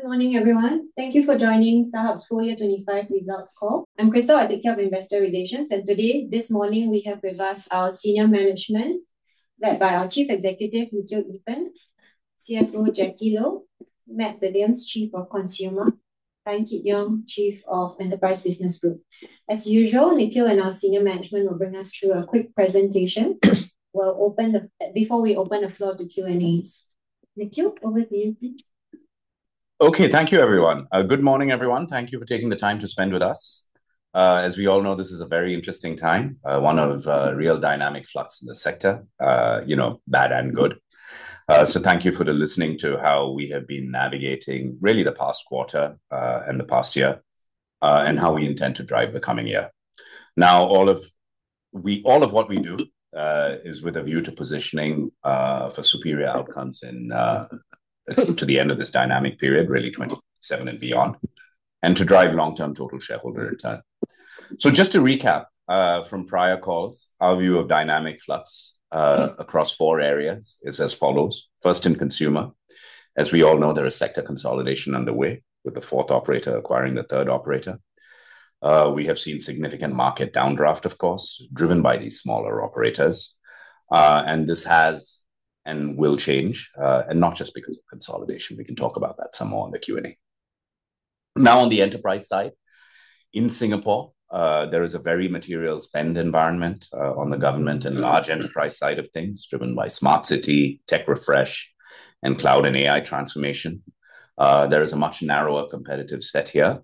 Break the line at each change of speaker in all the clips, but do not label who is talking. Good morning, everyone. Thank you for joining StarHub's full year 25 results call. I'm Crystal, I take care of investor relations, and today, this morning, we have with us our senior management, led by our Chief Executive, Nikhil Eapen, CFO, Jacky Lo, Matt Williams, Chief of Consumer, and Tan Kit Yong, Chief of Enterprise Business Group. As usual, Nikhil and our senior management will bring us through a quick presentation. We'll open the, before we open the floor to Q&As. Nikhil, over to you, please.
Okay. Thank you, everyone. Good morning, everyone. Thank you for taking the time to spend with us. As we all know, this is a very interesting time, one of real dynamic flux in the sector, you know, bad and good. So thank you for listening to how we have been navigating really the past quarter, and the past year, and how we intend to drive the coming year. Now, all of what we do is with a view to positioning for superior outcomes into the end of this dynamic period, really 2027 and beyond, and to drive long-term total shareholder return. So just to recap, from prior calls, our view of dynamic flux across four areas is as follows: First, in consumer. As we all know, there is sector consolidation underway, with the fourth operator acquiring the third operator. We have seen significant market downdraft, of course, driven by these smaller operators. And this has and will change, and not just because of consolidation. We can talk about that some more in the Q&A. Now, on the enterprise side, in Singapore, there is a very material spend environment, on the government and large enterprise side of things, driven by smart city, tech refresh, and cloud and AI transformation. There is a much narrower competitive set here,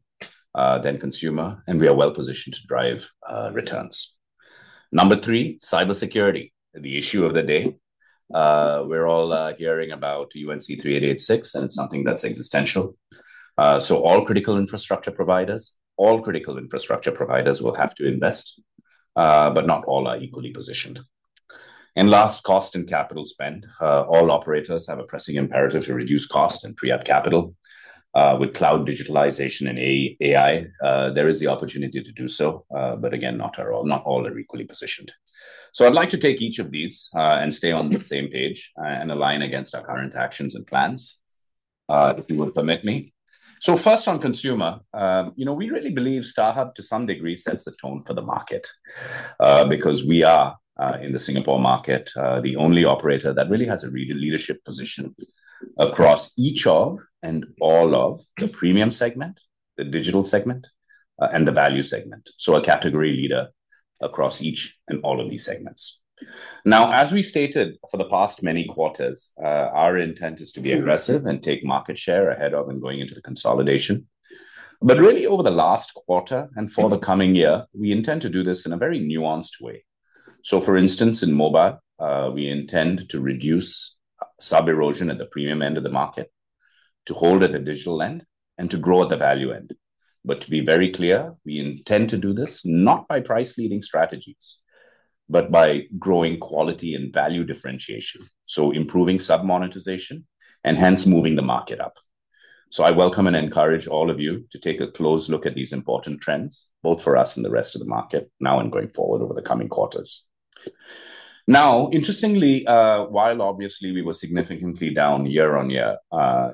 than consumer, and we are well positioned to drive, returns. Number three, cybersecurity, the issue of the day. We're all hearing about UNC3886, and it's something that's existential. So all critical infrastructure providers, all critical infrastructure providers will have to invest, but not all are equally positioned. And last, cost and capital spend. All operators have a pressing imperative to reduce cost and free up capital. With cloud digitalization and AI, there is the opportunity to do so, but again, not are all, not all are equally positioned. So I'd like to take each of these, and stay on the same page, and align against our current actions and plans, if you would permit me. So first, on consumer, you know, we really believe StarHub, to some degree, sets the tone for the market, because we are, in the Singapore market, the only operator that really has a real leadership position across each of and all of the premium segment, the digital segment, and the value segment, so a category leader across each and all of these segments. Now, as we stated for the past many quarters, our intent is to be aggressive and take market share ahead of and going into the consolidation. But really, over the last quarter and for the coming year, we intend to do this in a very nuanced way. So, for instance, in mobile, we intend to reduce, sub-erosion at the premium end of the market, to hold at the digital end, and to grow at the value end. But to be very clear, we intend to do this not by price-leading strategies, but by growing quality and value differentiation, so improving sub monetization and hence moving the market up. So I welcome and encourage all of you to take a close look at these important trends, both for us and the rest of the market, now and going forward over the coming quarters. Now, interestingly, while obviously we were significantly down year-on-year,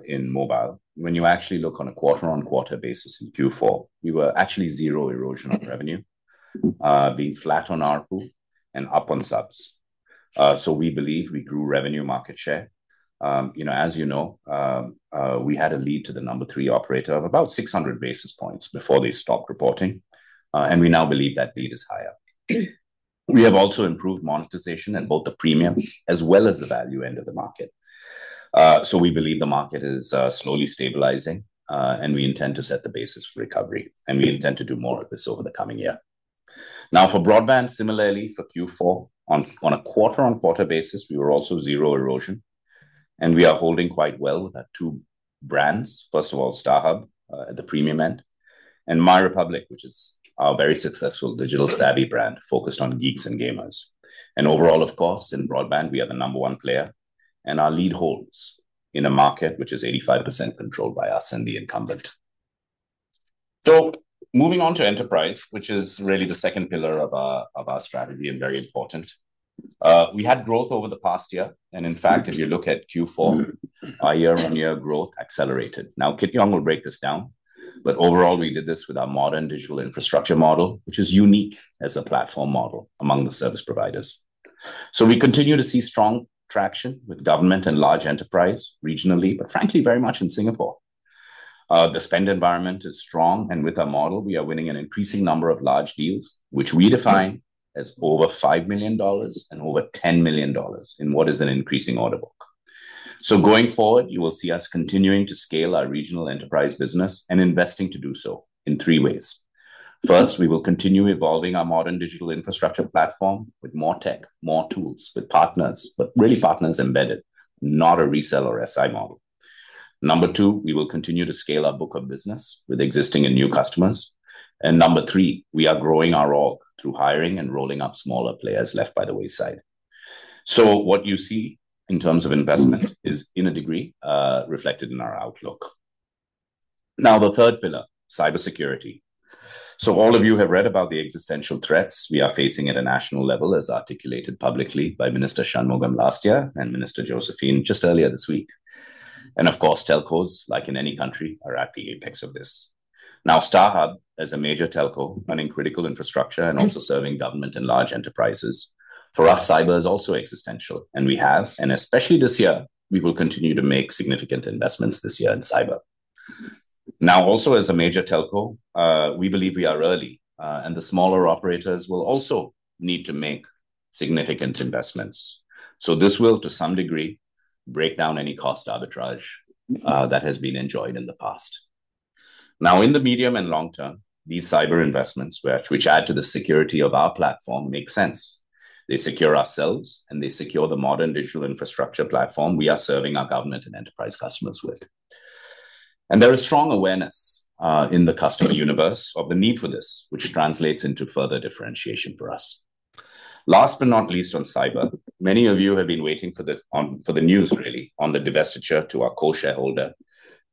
in mobile, when you actually look on a quarter-on-quarter basis in Q4, we were actually zero erosion on revenue, being flat on ARPU and up on subs. So we believe we grew revenue market share. You know, as you know, we had a lead to the number three operator of about 600 basis points before they stopped reporting, and we now believe that lead is higher. We have also improved monetization at both the premium as well as the value end of the market. So we believe the market is slowly stabilizing, and we intend to set the basis for recovery, and we intend to do more of this over the coming year. Now, for broadband, similarly for Q4, on a quarter-on-quarter basis, we were also zero erosion, and we are holding quite well with our two brands. First of all, StarHub, at the premium end, and MyRepublic, which is our very successful digital savvy brand focused on geeks and gamers. Overall, of course, in broadband, we are the number one player, and our lead holds in a market which is 85% controlled by us and the incumbent. So moving on to enterprise, which is really the second pillar of our, of our strategy and very important. We had growth over the past year, and in fact, if you look at Q4, our year-on-year growth accelerated. Now, Kit Yong will break this down, but overall, we did this with our modern digital infrastructure model, which is unique as a platform model among the service providers. So we continue to see strong traction with government and large enterprise regionally, but frankly, very much in Singapore. The spend environment is strong, and with our model, we are winning an increasing number of large deals, which we define as over 5 million dollars and over 10 million dollars in what is an increasing order book. So going forward, you will see us continuing to scale our regional enterprise business and investing to do so in three ways. First, we will continue evolving our modern digital infrastructure platform with more tech, more tools, with partners, but really partners embedded, not a reseller or SI model. Number two, we will continue to scale our book of business with existing and new customers. And number three, we are growing our org through hiring and rolling up smaller players left by the wayside. So what you see in terms of investment is, in a degree, reflected in our outlook.... Now, the third pillar, cybersecurity. So all of you have read about the existential threats we are facing at a national level, as articulated publicly by Minister Shanmugam last year and Minister Josephine just earlier this week. Of course, telcos, like in any country, are at the apex of this. Now, StarHub, as a major telco running critical infrastructure and also serving government and large enterprises, for us, cyber is also existential, and we have, and especially this year, we will continue to make significant investments this year in cyber. Now, also as a major telco, we believe we are early, and the smaller operators will also need to make significant investments. So this will, to some degree, break down any cost arbitrage, that has been enjoyed in the past. Now, in the medium and long term, these cyber investments, which add to the security of our platform, make sense. They secure ourselves, and they secure the modern digital infrastructure platform we are serving our government and enterprise customers with. There is strong awareness in the customer universe of the need for this, which translates into further differentiation for us. Last but not least, on cyber, many of you have been waiting for the news really on the divestiture to our core shareholder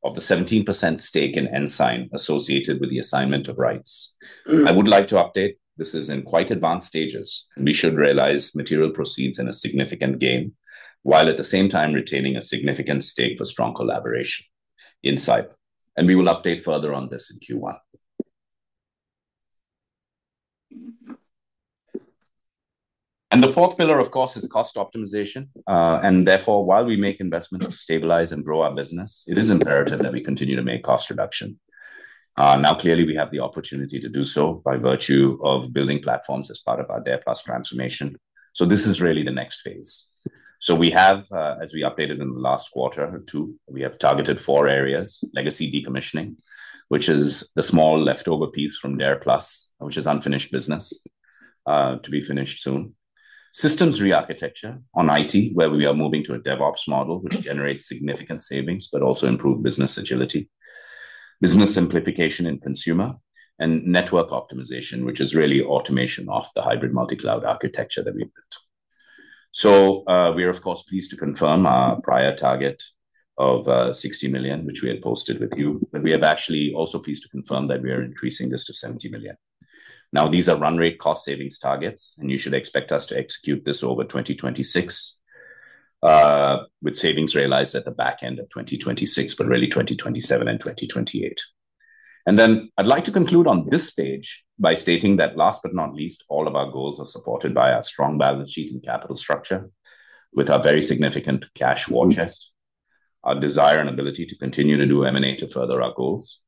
of the 17% stake in Ensign associated with the assignment of rights. I would like to update, this is in quite advanced stages, and we should realize material proceeds in a significant gain, while at the same time retaining a significant stake for strong collaboration in cyber. We will update further on this in Q1. The fourth pillar, of course, is cost optimization. And therefore, while we make investment to stabilize and grow our business, it is imperative that we continue to make cost reduction. Now, clearly, we have the opportunity to do so by virtue of building platforms as part of our DARE+ transformation. So this is really the next phase. So we have, as we updated in the last quarter or two, we have targeted four areas: legacy decommissioning, which is the small leftover piece from DARE+, which is unfinished business, to be finished soon. Systems rearchitecture on IT, where we are moving to a DevOps model, which generates significant savings but also improve business agility. Business simplification in consumer, and network optimization, which is really automation of the hybrid multi-cloud architecture that we built. So, we are, of course, pleased to confirm our prior target of 60 million, which we had posted with you, but we are actually also pleased to confirm that we are increasing this to 70 million. Now, these are run rate cost savings targets, and you should expect us to execute this over 2026, with savings realized at the back end of 2026, but really 2027 and 2028. And then I'd like to conclude on this page by stating that, last but not least, all of our goals are supported by our strong balance sheet and capital structure, with our very significant cash war chest, our desire and ability to continue to do M&A to further our goals,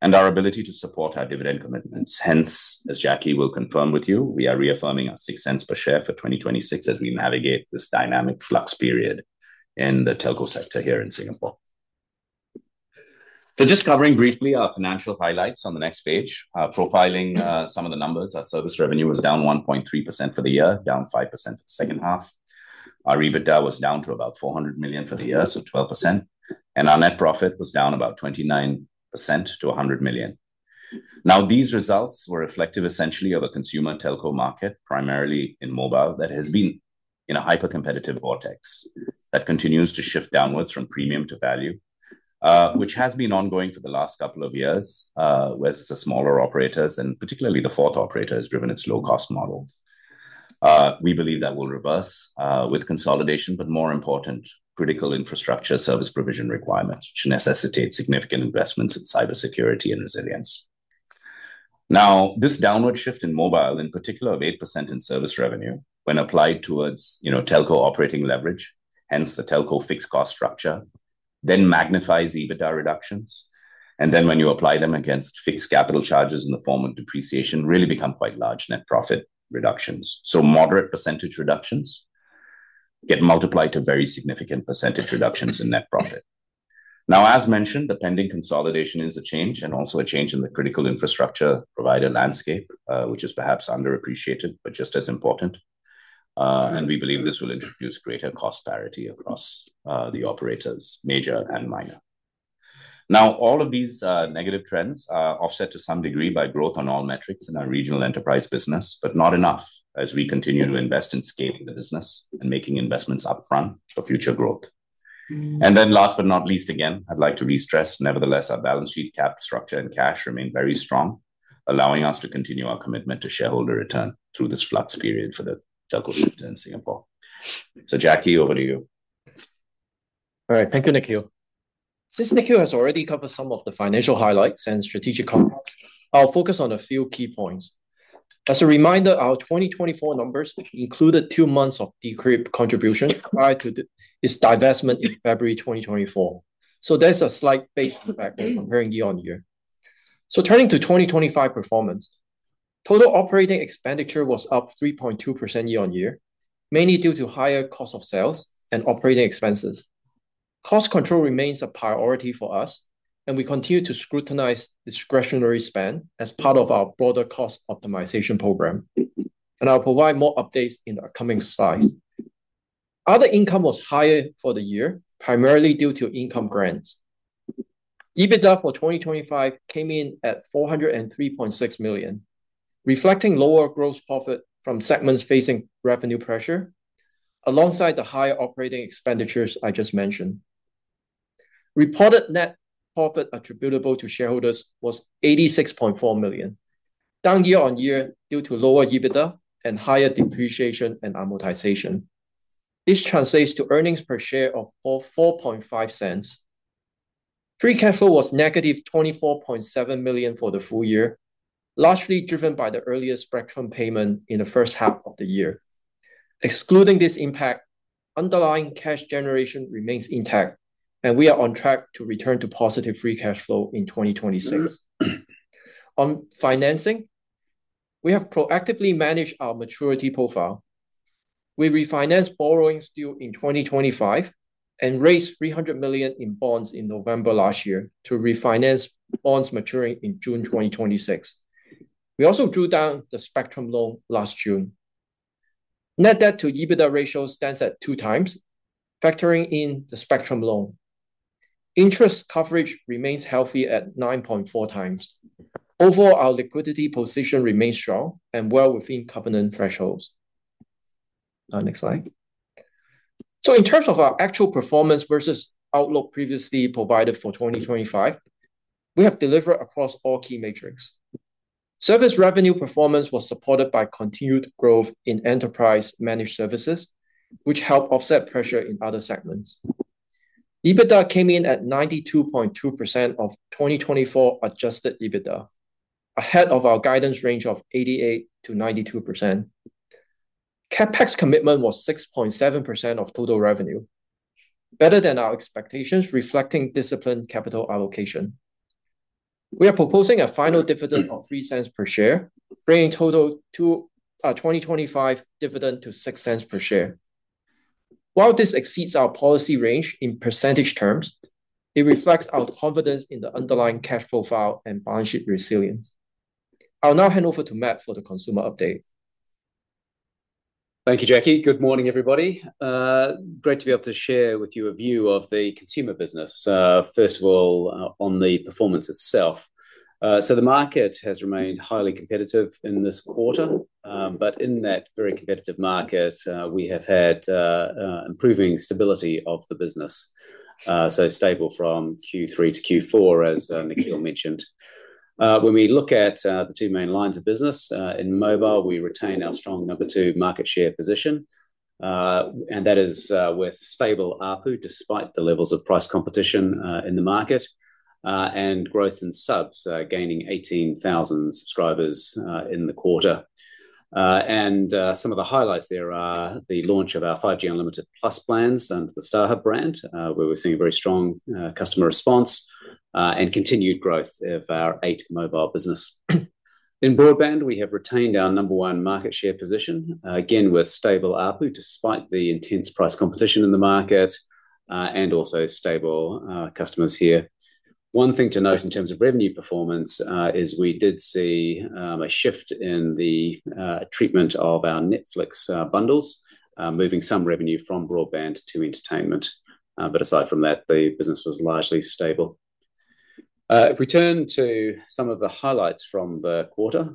and our ability to support our dividend commitments. Hence, as Jacky will confirm with you, we are reaffirming our 0.06 per share for 2026 as we navigate this dynamic flux period in the telco sector here in Singapore. So just covering briefly our financial highlights on the next page. Profiling some of the numbers, our service revenue was down 1.3% for the year, down 5% for the second half. Our EBITDA was down to about 400 million for the year, so 12%, and our net profit was down about 29% to 100 million. Now, these results were reflective essentially of a consumer telco market, primarily in mobile, that has been in a hypercompetitive vortex that continues to shift downwards from premium to value, which has been ongoing for the last couple of years, whereas the smaller operators, and particularly the fourth operator, has driven its low-cost model. We believe that will reverse, with consolidation, but more important, critical infrastructure service provision requirements, which necessitate significant investments in cybersecurity and resilience. Now, this downward shift in mobile, in particular of 8% in service revenue, when applied towards, you know, telco operating leverage, hence the telco fixed cost structure, then magnifies EBITDA reductions. And then when you apply them against fixed capital charges in the form of depreciation, really become quite large net profit reductions. So moderate percentage reductions get multiplied to very significant percentage reductions in net profit. Now, as mentioned, the pending consolidation is a change and also a change in the critical infrastructure provider landscape, which is perhaps underappreciated but just as important. And we believe this will introduce greater cost parity across the operators, major and minor. Now, all of these negative trends are offset to some degree by growth on all metrics in our regional enterprise business, but not enough as we continue to invest in scaling the business and making investments upfront for future growth. And then last but not least, again, I'd like to re-stress, nevertheless, our balance sheet, cap structure, and cash remain very strong, allowing us to continue our commitment to shareholder return through this flux period for the telco shift in Singapore. So, Jacky, over to you.
All right. Thank you, Nikhil. Since Nikhil has already covered some of the financial highlights and strategic outcomes, I'll focus on a few key points. As a reminder, our 2024 numbers included 2 months of D'Crypt contribution prior to the, its divestment in February 2024. So there's a slight base effect comparing year-on-year. So turning to 2025 performance, total operating expenditure was up 3.2% year-on-year, mainly due to higher cost of sales and operating expenses. Cost control remains a priority for us, and we continue to scrutinize discretionary spend as part of our broader cost optimization program, and I'll provide more updates in the upcoming slides. Other income was higher for the year, primarily due to income grants. EBITDA for 2025 came in at 403.6 million, reflecting lower gross profit from segments facing revenue pressure. alongside the higher operating expenditures I just mentioned. Reported net profit attributable to shareholders was 86.4 million, down year-on-year due to lower EBITDA and higher depreciation and amortization. This translates to earnings per share of 0.0445. Free cash flow was -24.7 million for the full year, largely driven by the earlier spectrum payment in the first half of the year. Excluding this impact, underlying cash generation remains intact, and we are on track to return to positive free cash flow in 2026. On financing, we have proactively managed our maturity profile. We refinanced borrowings due in 2025 and raised 300 million in bonds in November last year to refinance bonds maturing in June 2026. We also drew down the spectrum loan last June. Net debt to EBITDA ratio stands at 2x, factoring in the spectrum loan. Interest coverage remains healthy at 9.4x. Overall, our liquidity position remains strong and well within covenant thresholds. Next slide. So in terms of our actual performance versus outlook previously provided for 2025, we have delivered across all key metrics. Service revenue performance was supported by continued growth in enterprise managed services, which helped offset pressure in other segments. EBITDA came in at 92.2% of 2024 adjusted EBITDA, ahead of our guidance range of 88%-92%. CapEx commitment was 6.7% of total revenue, better than our expectations, reflecting disciplined capital allocation. We are proposing a final dividend of 0.03 per share, bringing total to 2025 dividend to 0.06 per share. While this exceeds our policy range in percentage terms, it reflects our confidence in the underlying cash flow file and balance sheet resilience. I'll now hand over to Matt for the consumer update.
Thank you, Jacky. Good morning, everybody. Great to be able to share with you a view of the consumer business. First of all, on the performance itself. So the market has remained highly competitive in this quarter. But in that very competitive market, we have had improving stability of the business. So stable from Q3 to Q4, as Nikhil mentioned. When we look at the two main lines of business, in mobile, we retain our strong number two market share position, and that is with stable ARPU, despite the levels of price competition in the market. And growth in subs, gaining 18,000 subscribers in the quarter. And, some of the highlights there are the launch of our 5G Unlimited Plus plans under the StarHub brand, where we're seeing a very strong customer response, and continued growth of our Eight Mobile business. In broadband, we have retained our number one market share position, again, with stable ARPU, despite the intense price competition in the market, and also stable customers here. One thing to note in terms of revenue performance is we did see a shift in the treatment of our Netflix bundles, moving some revenue from broadband to entertainment. If we turn to some of the highlights from the quarter,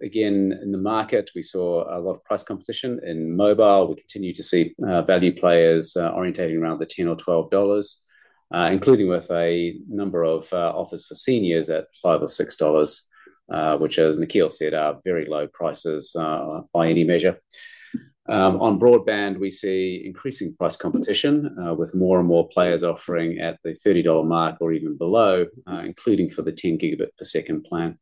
again, in the market, we saw a lot of price competition. In mobile, we continue to see value players orienting around the 10 or 12 dollars, including with a number of offers for seniors at 5 or 6 dollars, which, as Nikhil said, are very low prices by any measure. On broadband, we see increasing price competition with more and more players offering at the 30-dollar mark or even below, including for the 10 Gbps plan.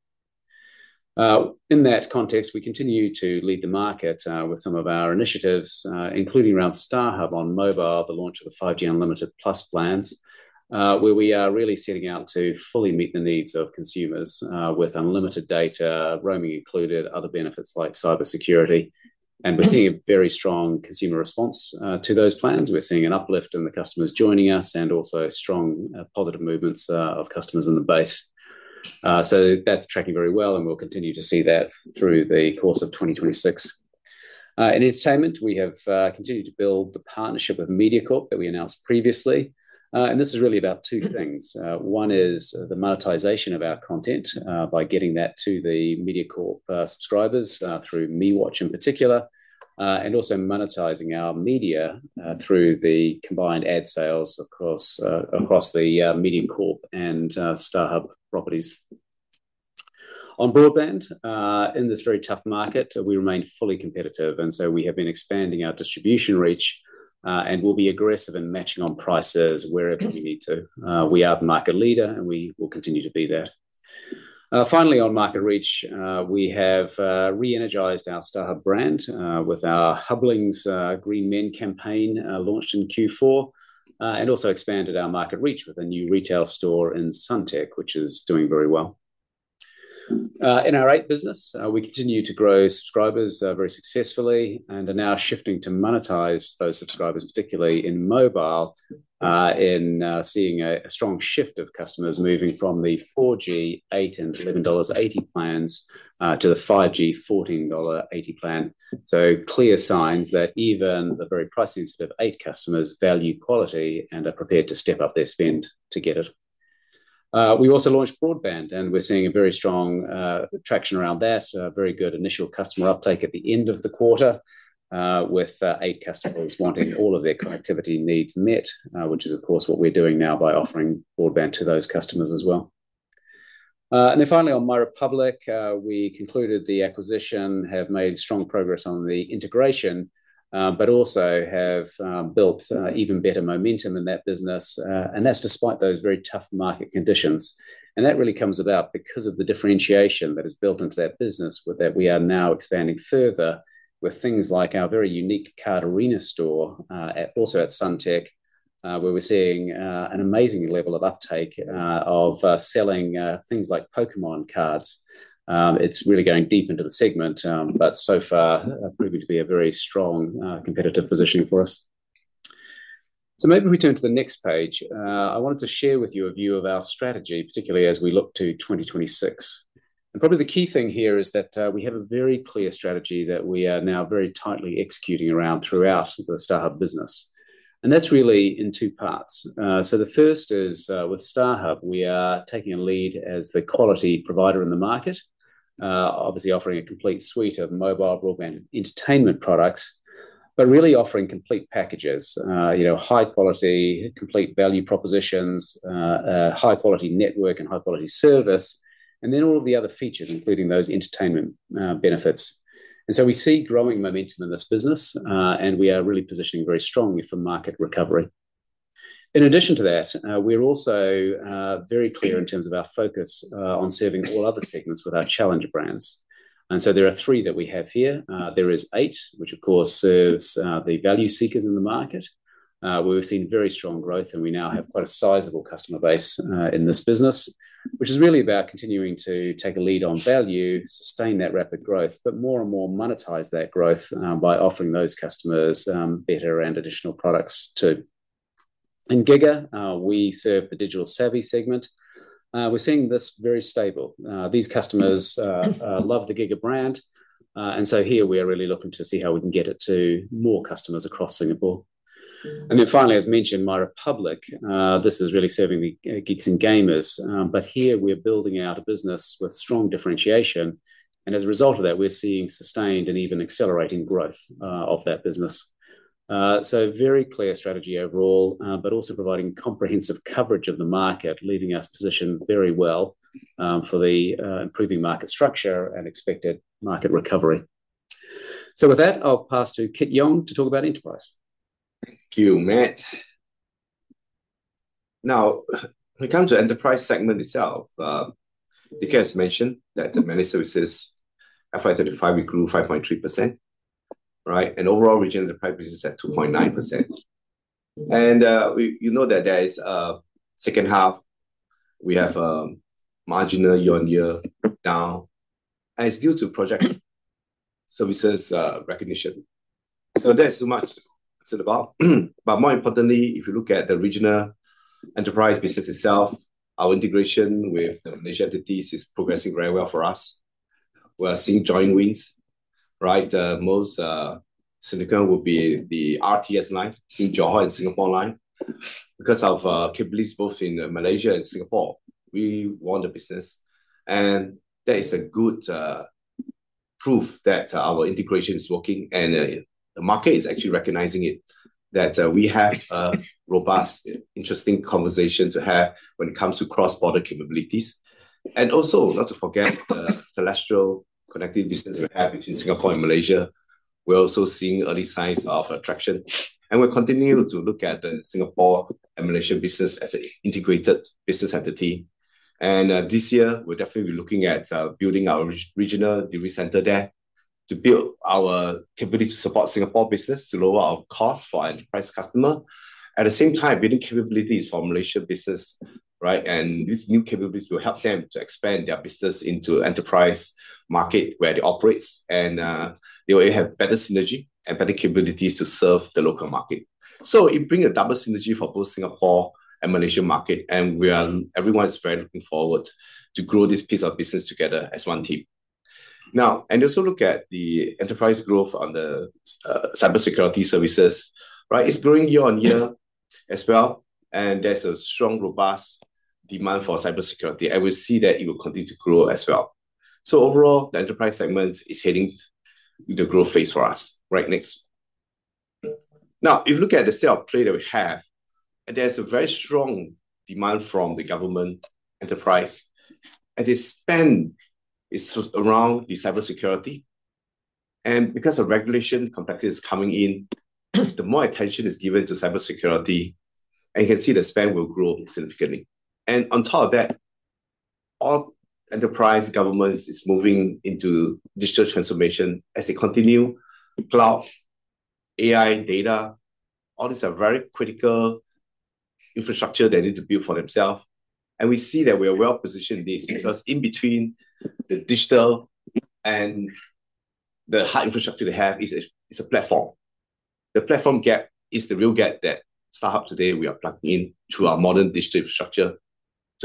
In that context, we continue to lead the market with some of our initiatives, including around StarHub on mobile, the launch of the 5G Unlimited Plus plans, where we are really setting out to fully meet the needs of consumers with unlimited data, roaming included, other benefits like cybersecurity. And we're seeing a very strong consumer response to those plans. We're seeing an uplift in the customers joining us, and also strong, positive movements of customers in the base. So that's tracking very well, and we'll continue to see that through the course of 2026. In entertainment, we have continued to build the partnership with Mediacorp that we announced previously. And this is really about two things. One is the monetization of our content by getting that to the Mediacorp subscribers through mewatch in particular, and also monetizing our media through the combined ad sales, of course, across the Mediacorp and StarHub properties. On broadband, in this very tough market, we remain fully competitive, and so we have been expanding our distribution reach, and we'll be aggressive in matching on prices wherever we need to. We are the market leader, and we will continue to be that. Finally, on market reach, we have re-energized our StarHub brand with our Hub Troopers campaign launched in Q4. And also expanded our market reach with a new retail store in Suntec, which is doing very well. In our Eight business, we continue to grow subscribers very successfully and are now shifting to monetize those subscribers, particularly in mobile, seeing a strong shift of customers moving from the 4G 8 and 11.80 dollars plans to the 5G 14.80 dollar plan. So clear signs that even the very price-sensitive Eight customers value quality and are prepared to step up their spend to get it... We also launched broadband, and we're seeing a very strong traction around that. Very good initial customer uptake at the end of the quarter, with Eight customers wanting all of their connectivity needs met, which is, of course, what we're doing now by offering broadband to those customers as well. And then finally, on MyRepublic, we concluded the acquisition, have made strong progress on the integration, but also have built even better momentum in that business. And that's despite those very tough market conditions. And that really comes about because of the differentiation that is built into that business, with that we are now expanding further with things like our very unique Card Arena store, also at Suntec, where we're seeing an amazing level of uptake of selling things like Pokémon cards. It's really going deep into the segment, but so far, proving to be a very strong competitive position for us. Maybe if we turn to the next page. I wanted to share with you a view of our strategy, particularly as we look to 2026. Probably the key thing here is that we have a very clear strategy that we are now very tightly executing around throughout the StarHub business, and that's really in two parts. The first is with StarHub, we are taking a lead as the quality provider in the market. Obviously offering a complete suite of mobile, broadband, entertainment products, but really offering complete packages. You know, high quality, complete value propositions, high-quality network and high-quality service, and then all of the other features, including those entertainment benefits. And so we see growing momentum in this business, and we are really positioning very strongly for market recovery. In addition to that, we're also very clear in terms of our focus on serving all other segments with our challenger brands. And so there are three that we have here. There is Eight, which of course serves the value seekers in the market, where we've seen very strong growth, and we now have quite a sizable customer base in this business, which is really about continuing to take a lead on value, sustain that rapid growth, but more and more monetize that growth by offering those customers better and additional products, too. In giga!, we serve the digital-savvy segment. We're seeing this very stable. These customers love the giga! brand, and so here we are really looking to see how we can get it to more customers across Singapore. And then finally, as mentioned, MyRepublic, this is really serving the geeks and gamers. But here we're building out a business with strong differentiation, and as a result of that, we're seeing sustained and even accelerating growth of that business. So very clear strategy overall, but also providing comprehensive coverage of the market, leaving us positioned very well, for the improving market structure and expected market recovery. So with that, I'll pass to Kit Yong to talk about enterprise.
Thank you, Matt. Now, when it comes to enterprise segment itself, you guys mentioned that the managed services, FY 35, we grew 5.3%, right? Overall regional enterprise business at 2.9%. You know that there is a second half. We have marginal year-on-year down, and it's due to project services recognition. So there's too much to think about. But more importantly, if you look at the regional enterprise business itself, our integration with the major entities is progressing very well for us. We are seeing joint wins, right? The most significant will be the RTS Link in Johor and Singapore line. Because of capabilities both in Malaysia and Singapore, we won the business, and that is a good proof that our integration is working, and the market is actually recognizing it, that we have a robust, interesting conversation to have when it comes to cross-border capabilities. And also, not to forget, the terrestrial connectivity business we have between Singapore and Malaysia. We're also seeing early signs of attraction, and we're continuing to look at the Singapore and Malaysian business as an integrated business entity. And this year, we'll definitely be looking at building our regional delivery center there to build our ability to support Singapore business, to lower our cost for our enterprise customer. At the same time, building capabilities for Malaysia business, right? These new capabilities will help them to expand their business into enterprise market where they operate, and they will have better synergy and better capabilities to serve the local market. So it bring a double synergy for both Singapore and Malaysia market, and everyone is very looking forward to grow this piece of business together as one team. Now, and also look at the enterprise growth on the cybersecurity services, right? It's growing year on year as well, and there's a strong, robust demand for cybersecurity, and we see that it will continue to grow as well. So overall, the enterprise segment is hitting the growth phase for us. Right, next. Now, if you look at the state of play that we have, there's a very strong demand from the government enterprise as they spend, it's around the cybersecurity. Because the regulation complexity is coming in, the more attention is given to cybersecurity, and you can see the spend will grow significantly. And on top of that, all enterprise governments is moving into digital transformation as they continue cloud, AI, data. All these are very critical infrastructure they need to build for themselves, and we see that we are well positioned in this because in between the digital and the hard infrastructure they have is a platform. The platform gap is the real gap that StarHub today,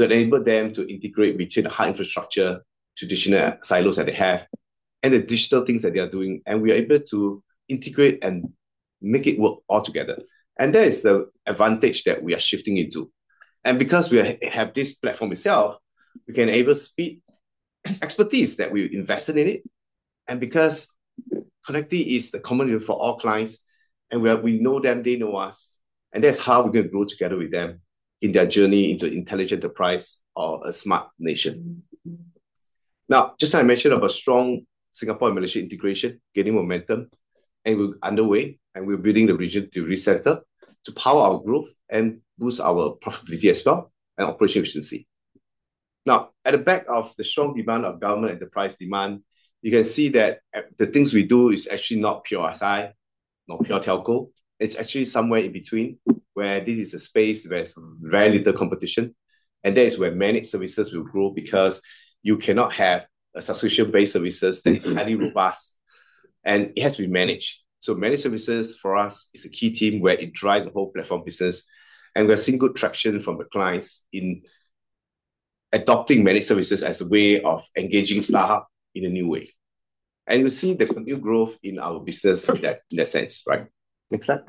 we are plugging in through our modern digital infrastructure, so enable them to integrate between the hard infrastructure, traditional silos that they have and the digital things that they are doing, and we are able to integrate and make it work all together. And that is the advantage that we are shifting into. Because we have this platform itself, we can apply the expertise that we've invested in it. And because connectivity is the common way for all clients, and we know them, they know us, and that's how we're going to grow together with them in their journey into intelligent enterprise or a smart nation. Now, as I mentioned about strong Singapore and Malaysia integration gaining momentum, and we're underway, and we're building the regional delivery center to power our growth and boost our profitability as well, and operational efficiency. Now, on the back of the strong demand from government enterprise demand, you can see that the things we do is actually not pure SI, not pure telco. It's actually somewhere in between, where this is a space where it's very little competition, and that is where managed services will grow because you cannot have a subscription-based services that is highly robust, and it has to be managed. So managed services for us is a key team where it drives the whole platform business, and we're seeing good traction from the clients in adopting managed services as a way of engaging StarHub in a new way. And we see the continued growth in our business from that, in that sense, right? Next slide.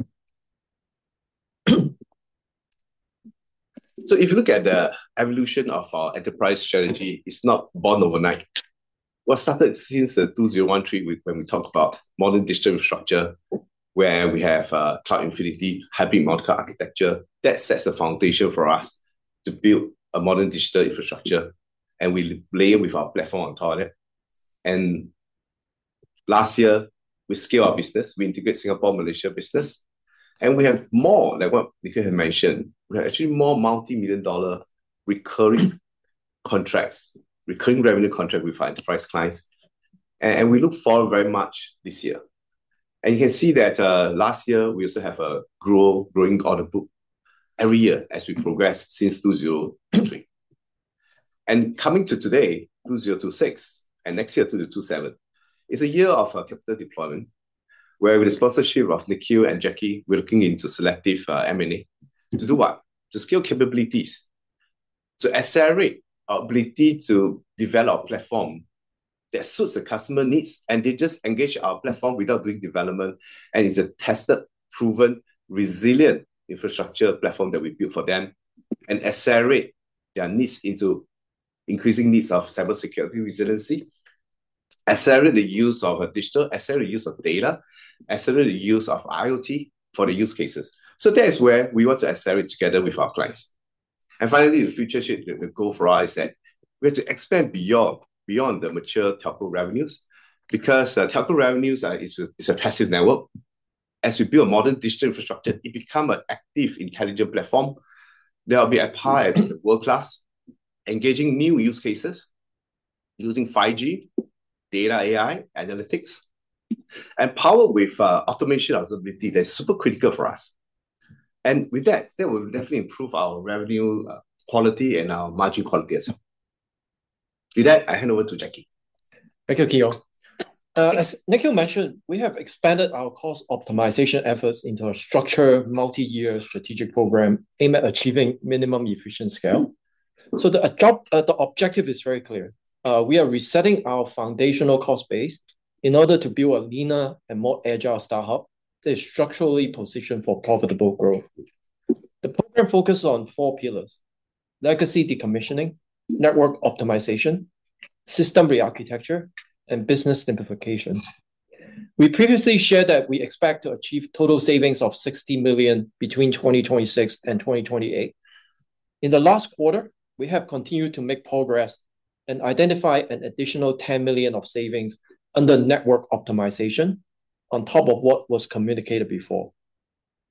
So if you look at the evolution of our enterprise strategy, it's not born overnight. What started since 2013, when we talked about modern digital infrastructure, where we have, Cloud Infinity, hybrid multi-cloud architecture, that sets the foundation for us to build a modern digital infrastructure, and we layer with our platform on top of it. Last year, we scale our business, we integrate Singapore, Malaysia business, and we have more than what Nikhil had mentioned. We have actually more multi-million-SGD recurring contracts, recurring revenue contract with our enterprise clients, and we look forward very much this year. And you can see that, last year, we also have a growing order book every year as we progress since 2023. Coming to today, 2026, and next year, 2027, is a year of capital deployment, where with the sponsorship of Nikhil and Jacky, we're looking into selective M&A. To do what? To scale capabilities, to accelerate our ability to develop platform that suits the customer needs, and they just engage our platform without doing development, and it's a tested, proven, resilient infrastructure platform that we built for them, and accelerate their needs into increasing needs of cybersecurity resiliency, accelerate the use of a digital, accelerate the use of data, accelerate the use of IoT for the use cases. So that is where we want to accelerate together with our clients. And finally, the future shape, the goal for us is that we have to expand beyond, beyond the mature telco revenues, because the telco revenues are, is a, is a passive network. As we build modern digital infrastructure, it become an active, intelligent platform that will be at par with the world-class, engaging new use cases, using 5G, data AI, analytics, and powered with automation observability that is super critical for us. With that, that will definitely improve our revenue quality and our margin quality as well. With that, I hand over to Jacky.
Thank you, Kit Yong. As Nikhil mentioned, we have expanded our cost optimization efforts into a structured, multi-year strategic program aimed at achieving minimum efficient scale. So the objective is very clear. We are resetting our foundational cost base in order to build a leaner and more agile startup that is structurally positioned for profitable growth. The program focus on four pillars: legacy decommissioning, network optimization, system rearchitecture, and business simplification. We previously shared that we expect to achieve total savings of 60 million between 2026 and 2028. In the last quarter, we have continued to make progress and identify an additional 10 million of savings under network optimization on top of what was communicated before.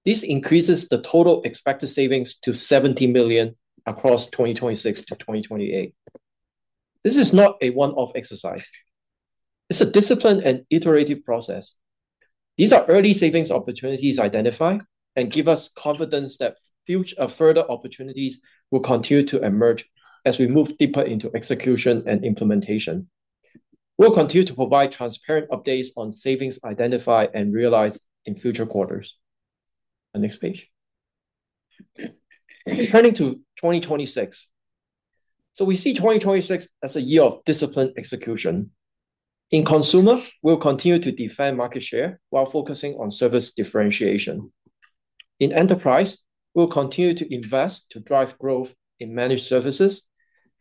This increases the total expected savings to 70 million across 2026 to 2028. This is not a one-off exercise. It's a disciplined and iterative process. These are early savings opportunities identified and give us confidence that further opportunities will continue to emerge as we move deeper into execution and implementation. We'll continue to provide transparent updates on savings identified and realized in future quarters. The next page. Turning to 2026. So we see 2026 as a year of disciplined execution. In consumer, we'll continue to defend market share while focusing on service differentiation. In enterprise, we'll continue to invest to drive growth in managed services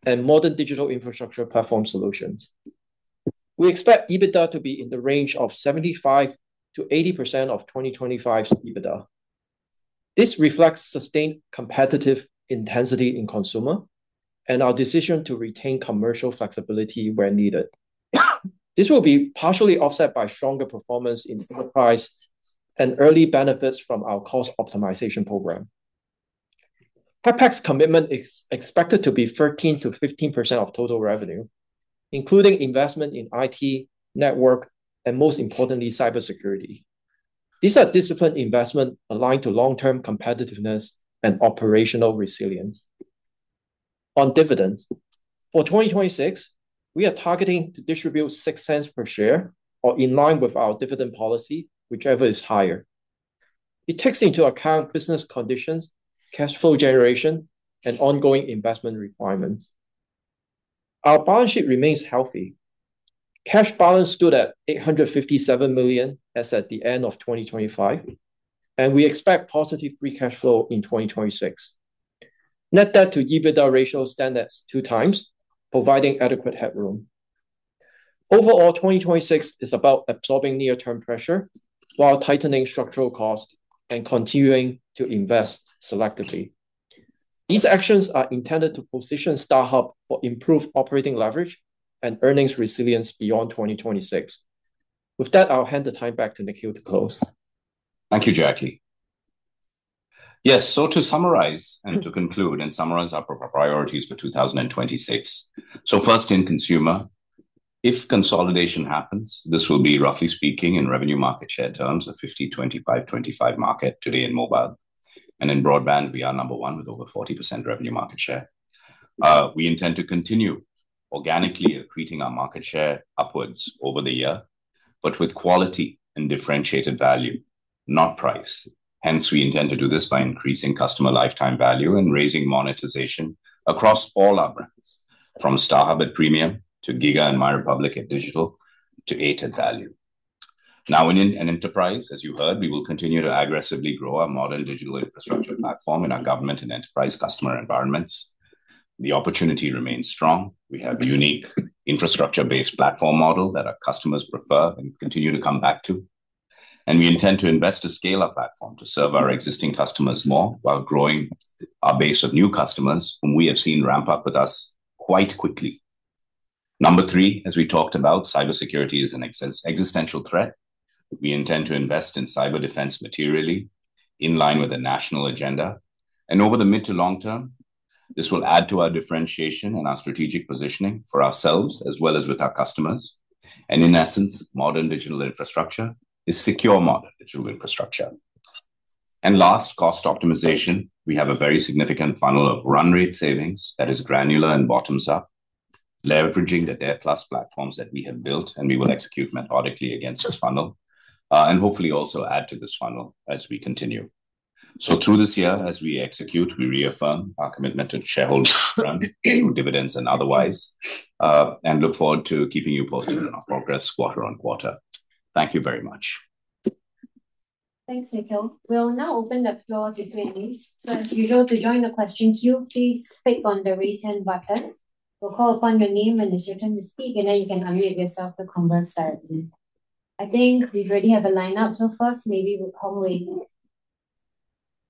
and modern digital infrastructure platform solutions. We expect EBITDA to be in the range of 75%-80% of 2025's EBITDA. This reflects sustained competitive intensity in consumer and our decision to retain commercial flexibility where needed. This will be partially offset by stronger performance in enterprise and early benefits from our cost optimization program. CapEx commitment is expected to be 13%-15% of total revenue, including investment in IT, network, and most importantly, cybersecurity. These are disciplined investment aligned to long-term competitiveness and operational resilience. On dividends, for 2026, we are targeting to distribute 0.06 per share or in line with our dividend policy, whichever is higher. It takes into account business conditions, cash flow generation, and ongoing investment requirements. Our balance sheet remains healthy. Cash balance stood at 857 million as at the end of 2025, and we expect positive free cash flow in 2026. Net debt to EBITDA ratio stands at 2x, providing adequate headroom. Overall, 2026 is about absorbing near-term pressure while tightening structural costs and continuing to invest selectively. These actions are intended to position StarHub for improved operating leverage and earnings resilience beyond 2026. With that, I'll hand the time back to Nikhil to close.
Thank you, Jacky. Yes, so to summarize and to conclude and summarize our priorities for 2026. So first, in consumer, if consolidation happens, this will be, roughly speaking, in revenue market share terms, a 50/25/25 market today in mobile. And in broadband, we are number one with over 40% revenue market share. We intend to continue organically accreting our market share upwards over the year, but with quality and differentiated value, not price. Hence, we intend to do this by increasing customer lifetime value and raising monetization across all our brands, from StarHub at premium to giga! and MyRepublic at digital, to Eight at value. Now, in enterprise, as you heard, we will continue to aggressively grow our modern digital infrastructure platform in our government and enterprise customer environments. The opportunity remains strong. We have a unique infrastructure-based platform model that our customers prefer and continue to come back to, and we intend to invest to scale our platform to serve our existing customers more while growing our base of new customers, whom we have seen ramp up with us quite quickly. Number three, as we talked about, cybersecurity is an existential threat. We intend to invest in cyber defense materially in line with the national agenda, and over the mid to long term, this will add to our differentiation and our strategic positioning for ourselves as well as with our customers. And in essence, modern digital infrastructure is secure modern digital infrastructure. And last, cost optimization. We have a very significant funnel of run rate savings that is granular and bottoms up, leveraging the DARE+ platforms that we have built, and we will execute methodically against this funnel, and hopefully also add to this funnel as we continue. So through this year, as we execute, we reaffirm our commitment to shareholders, dividends and otherwise, and look forward to keeping you posted on our progress quarter on quarter. Thank you very much.
Thanks, Nikhil. We'll now open the floor to Q&A. So as usual, to join the question queue, please click on the Raise Hand button. We'll call upon your name when it's your turn to speak, and then you can unmute yourself to commence directly. I think we already have a lineup. So first, maybe Hong Wei.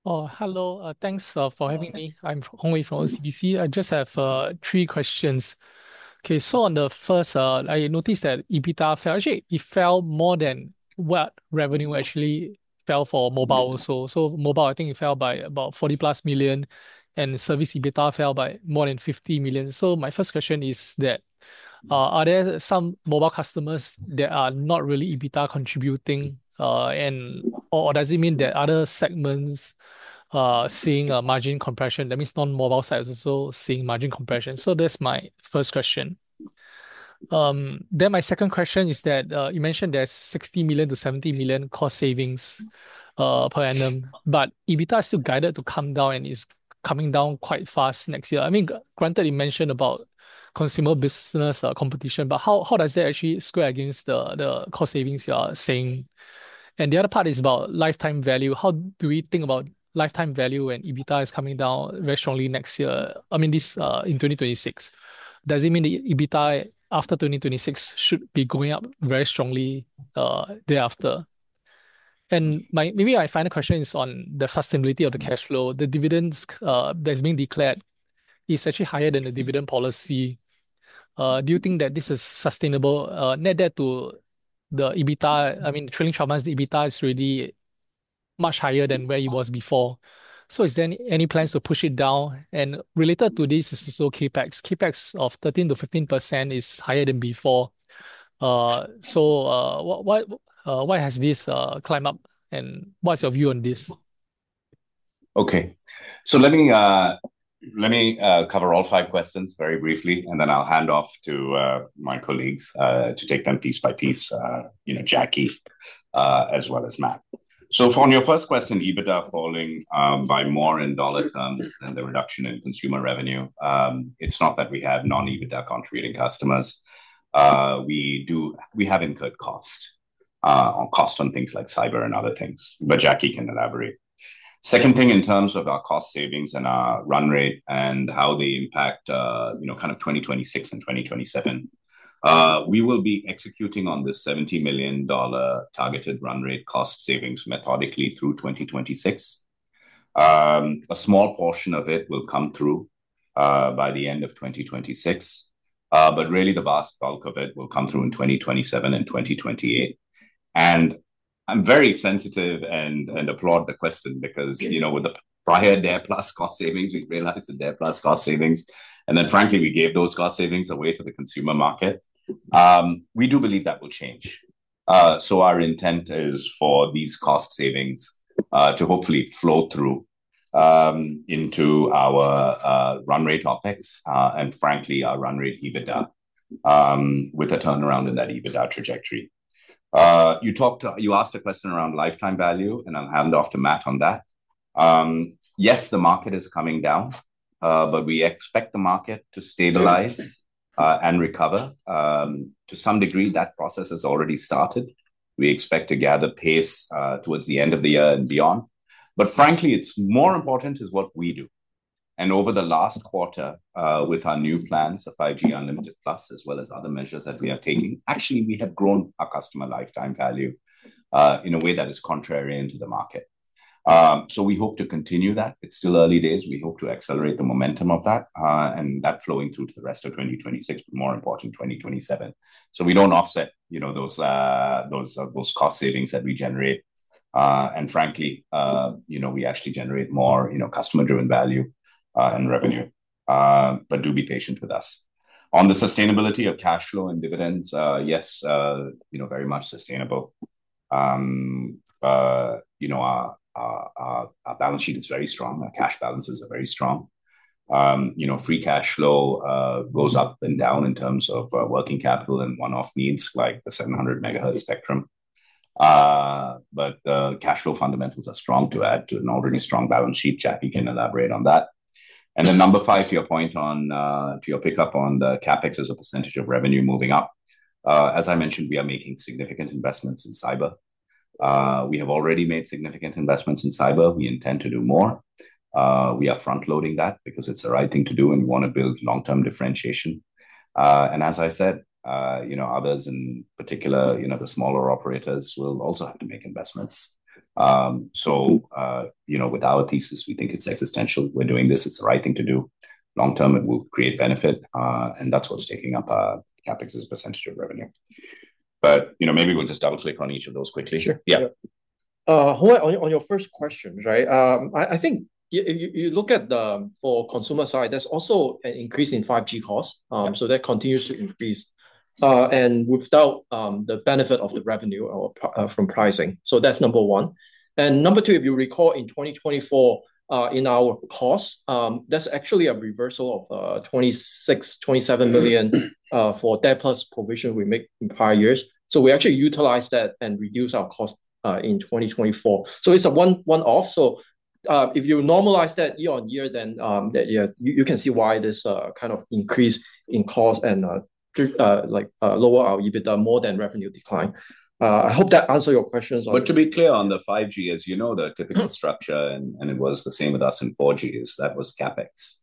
Oh, hello. Thanks for having me. I'm Hong Wei from OCBC. I just have three questions. Okay, so on the first, I noticed that EBITDA fell. Actually, it fell more than what revenue actually fell for mobile. So mobile, I think it fell by about 40+ million, and service EBITDA fell by more than 50 million. So my first question is that, are there some mobile customers that are not really EBITDA contributing, and or does it mean there are other segments seeing a margin compression, that means non-mobile sides also seeing margin compression? So that's my first question. Then my second question is that, you mentioned there's 60 million-70 million cost savings per annum, but EBITDA is still guided to come down and is coming down quite fast next year. I mean, granted, you mentioned about consumer business, competition, but how does that actually square against the cost savings you are seeing? And the other part is about lifetime value. How do we think about lifetime value when EBITDA is coming down very strongly next year, I mean, this in 2026? Does it mean the EBITDA after 2026 should be going up very strongly thereafter? And maybe my final question is on the sustainability of the cash flow. The dividends that's been declared is actually higher than the dividend policy. Do you think that this is sustainable, net debt to the EBITDA? I mean, trailing 12 months EBITDA is really much higher than where it was before. So is there any plans to push it down? And related to this is also CapEx. CapEx of 13%-15% is higher than before. So, what, why, why has this climb up, and what's your view on this?
Okay. So let me cover all five questions very briefly, and then I'll hand off to my colleagues to take them piece by piece, you know, Jacky as well as Matt. So from your first question, EBITDA falling by more in dollar terms than the reduction in consumer revenue, it's not that we have non-EBITDA-contributing customers. We do. We have incurred costs on things like cyber and other things, but Jacky can elaborate. Second thing, in terms of our cost savings and our run rate and how they impact, you know, kind of 2026 and 2027, we will be executing on the 70 million dollar targeted run rate cost savings methodically through 2026. A small portion of it will come through by the end of 2026, but really the vast bulk of it will come through in 2027 and 2028. And I'm very sensitive and applaud the question because, you know, with the prior DARE+ cost savings, we've realized the DARE+ cost savings, and then frankly, we gave those cost savings away to the consumer market. We do believe that will change. So our intent is for these cost savings to hopefully flow through into our run rate OpEx and frankly, our run rate EBITDA with a turnaround in that EBITDA trajectory. You talked, you asked a question around lifetime value, and I'll hand off to Matt on that. Yes, the market is coming down, but we expect the market to stabilize and recover. To some degree, that process has already started. We expect to gather pace towards the end of the year and beyond. But frankly, it's more important is what we do. And over the last quarter, with our new plans, the 5G Unlimited Plus, as well as other measures that we are taking, actually we have grown our customer lifetime value in a way that is contrary into the market. So we hope to continue that. It's still early days. We hope to accelerate the momentum of that, and that flowing through to the rest of 2026, but more important, 2027. So we don't offset, you know, those cost savings that we generate. And frankly, you know, we actually generate more, you know, customer-driven value and revenue. But do be patient with us. On the sustainability of cash flow and dividends, yes, you know, very much sustainable. You know, our balance sheet is very strong. Our cash balances are very strong. You know, free cash flow goes up and down in terms of working capital and one-off needs, like the 700 megahertz spectrum. But cash flow fundamentals are strong to add to an already strong balance sheet. Jacky can elaborate on that. And then number five, to your point on to your pick-up on the CapEx as a percentage of revenue moving up. As I mentioned, we are making significant investments in cyber. We have already made significant investments in cyber. We intend to do more. We are front-loading that because it's the right thing to do, and we want to build long-term differentiation. And as I said, you know, others in particular, you know, the smaller operators will also have to make investments. So, you know, with our thesis, we think it's existential. We're doing this, it's the right thing to do. Long term, it will create benefit, and that's what's taking up our CapEx as a percentage of revenue. But, you know, maybe we'll just double-click on each of those quickly.
Sure.
Yeah.
On your first question, right? I think if you look at the for consumer side, there's also an increase in 5G costs.
Yeah.
So that continues to increase, and without the benefit of the revenue or from pricing. So that's number one. And number two, if you recall, in 2024, in our costs, that's actually a reversal of 26-27 million for debt plus provision we make in prior years. So we actually utilize that and reduce our cost in 2024. So it's a one-off. So, if you normalize that year-on-year, then, yeah, you can see why this kind of increase in cost and like lower our EBITDA more than revenue decline. I hope that answers your questions on-
But to be clear, on the 5G, as you know, the typical structure, and it was the same with us in 4G, is that was CapEx,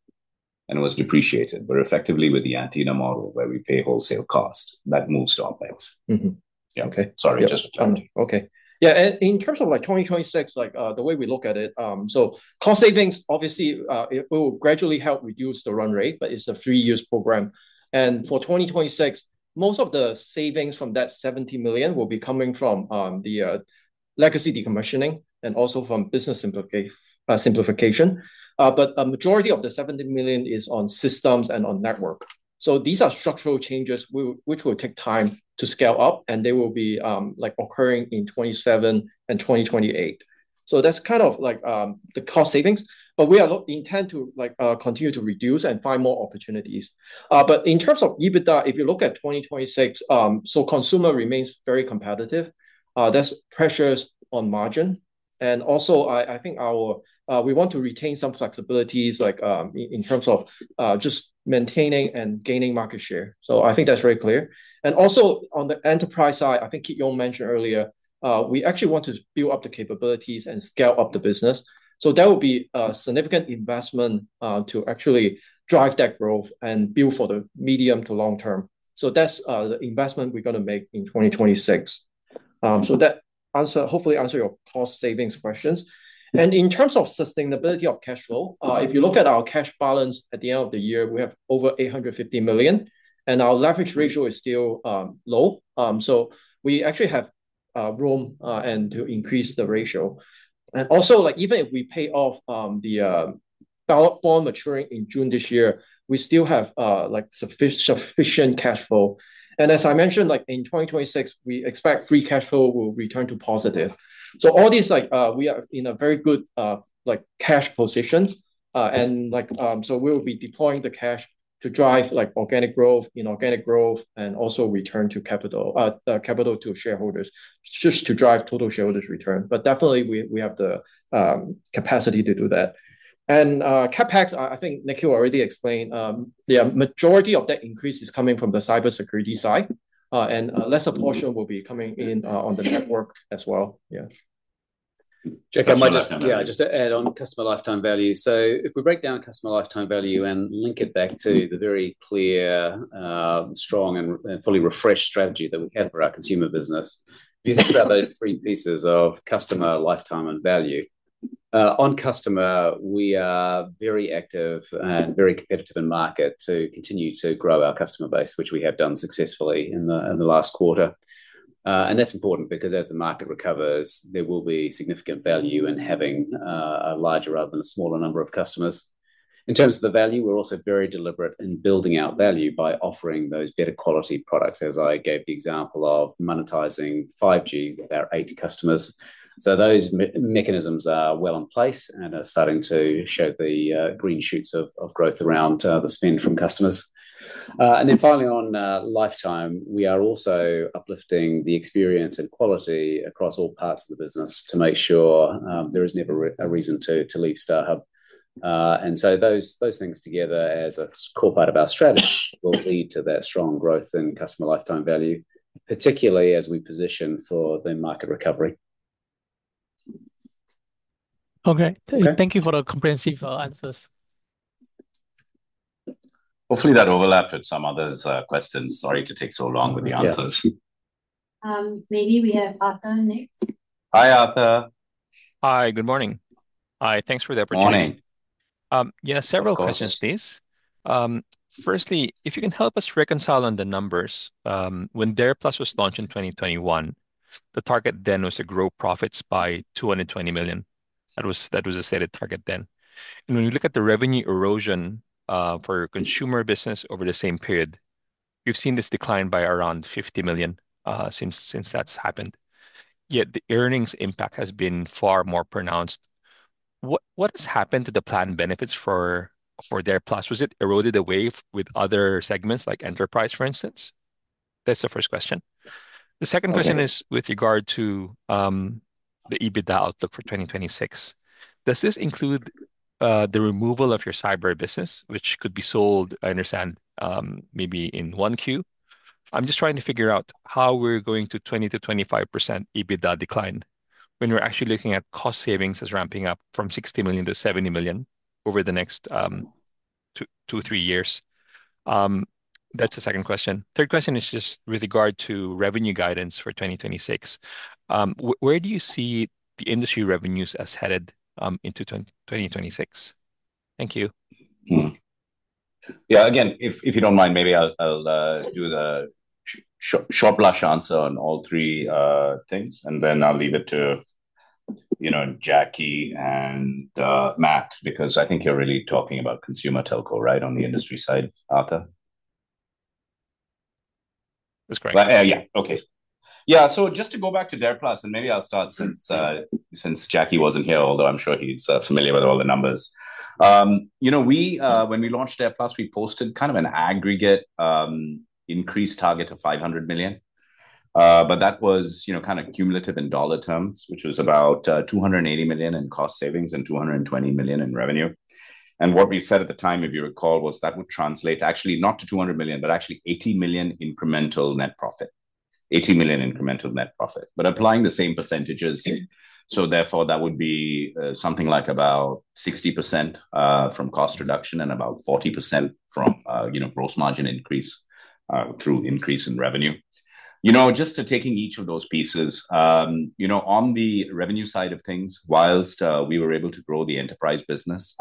and it was depreciated. But effectively, with the antenna model, where we pay wholesale cost, that moves to OpEx.
Mm-hmm.
Yeah.
Okay.
Sorry, just to clarify.
Okay. Yeah, and in terms of, like, 2026, like, the way we look at it, so cost savings, obviously, it will gradually help reduce the run rate, but it's a 3-year program. And for 2026, most of the savings from that 70 million will be coming from the legacy decommissioning and also from business simplification. But a majority of the 70 million is on systems and on network. So these are structural changes, which will take time to scale up, and they will be, like, occurring in 2027 and 2028. So that's kind of like the cost savings, but we intend to, like, continue to reduce and find more opportunities. But in terms of EBITDA, if you look at 2026, so consumer remains very competitive. That's pressures on margin. I think we want to retain some flexibilities, like, in terms of just maintaining and gaining market share. So I think that's very clear. And also, on the enterprise side, I think Kit Yong mentioned earlier, we actually want to build up the capabilities and scale up the business. So that will be a significant investment to actually drive that growth and build for the medium to long term. So that's the investment we're gonna make in 2026. So that, hopefully, answers your cost savings questions. And in terms of sustainability of cash flow, if you look at our cash balance at the end of the year, we have over 850 million, and our leverage ratio is still low. So we actually have room to increase the ratio. And also, like, even if we pay off the bullet bond maturing in June this year, we still have, like, sufficient cash flow. And as I mentioned, like, in 2026, we expect free cash flow will return to positive. So all these, like, we are in a very good, like, cash position. And like, so we'll be deploying the cash to drive, like, organic growth, inorganic growth, and also return capital to shareholders, just to drive total shareholder return. But definitely, we have the capacity to do that. CapEx, I think Nikhil already explained, the majority of that increase is coming from the cybersecurity side, and a lesser portion will be coming in on the network as well. Yeah.
Jack, I might just-
Yeah.
Just to add on customer lifetime value. So if we break down customer lifetime value and link it back to the very clear, strong and fully refreshed strategy that we have for our consumer business, if you think about those three pieces of customer, lifetime, and value. On customer, we are very active and very competitive in market to continue to grow our customer base, which we have done successfully in the last quarter. And that's important because as the market recovers, there will be significant value in having a larger rather than a smaller number of customers. In terms of the value, we're also very deliberate in building out value by offering those better quality products, as I gave the example of monetizing 5G with our Eight customers. So those mechanisms are well in place and are starting to show the green shoots of growth around the spend from customers. And then finally, on lifetime, we are also uplifting the experience and quality across all parts of the business to make sure there is never a reason to leave StarHub. And so those things together, as a core part of our strategy, will lead to that strong growth in customer lifetime value, particularly as we position for the market recovery. ...
Okay. Thank you for the comprehensive answers.
Hopefully that overlapped with some others', questions. Sorry to take so long with the answers.
Yeah.
Maybe we have Arthur next.
Hi, Arthur.
Hi, good morning. Hi, thanks for the opportunity.
Morning.
Yeah, several questions, please.
Of course.
Firstly, if you can help us reconcile on the numbers. When DARE+ was launched in 2021, the target then was to grow profits by 220 million. That was the stated target then. And when you look at the revenue erosion for consumer business over the same period, we've seen this decline by around 50 million since that's happened, yet the earnings impact has been far more pronounced. What has happened to the planned benefits for DARE+? Was it eroded away with other segments, like enterprise, for instance? That's the first question.
Okay.
The second question is with regard to the EBITDA outlook for 2026. Does this include the removal of your cyber business, which could be sold, I understand, maybe in 1Q? I'm just trying to figure out how we're going to 20%-25% EBITDA decline when we're actually looking at cost savings as ramping up from 60 million to 70 million over the next 2-3 years. That's the second question. Third question is just with regard to revenue guidance for 2026. Where do you see the industry revenues as headed into 2026? Thank you.
Yeah, again, if you don't mind, maybe I'll do the short, brief answer on all three things, and then I'll leave it to, you know, Jacky and Matt, because I think you're really talking about consumer telco, right, on the industry side, Arthur?
That's correct.
Yeah. Okay. Yeah, so just to go back to DARE+, and maybe I'll start since since Jackie wasn't here, although I'm sure he's familiar with all the numbers. You know, we when we launched DARE+, we posted kind of an aggregate increased target of 500 million. But that was, you know, kind of cumulative in dollar terms, which was about two hundred and 80 million in cost savings and two hundred and twenty million in revenue. And what we said at the time, if you recall, was that would translate actually not to two hundred million, but actually 80 million incremental net profit. 80 million incremental net profit. But applying the same percentages, so therefore, that would be something like about 60% from cost reduction and about 40% from, you know, gross margin increase through increase in revenue. You know, just to taking each of those pieces, you know, on the revenue side of things, whilst we were able to grow the enterprise business,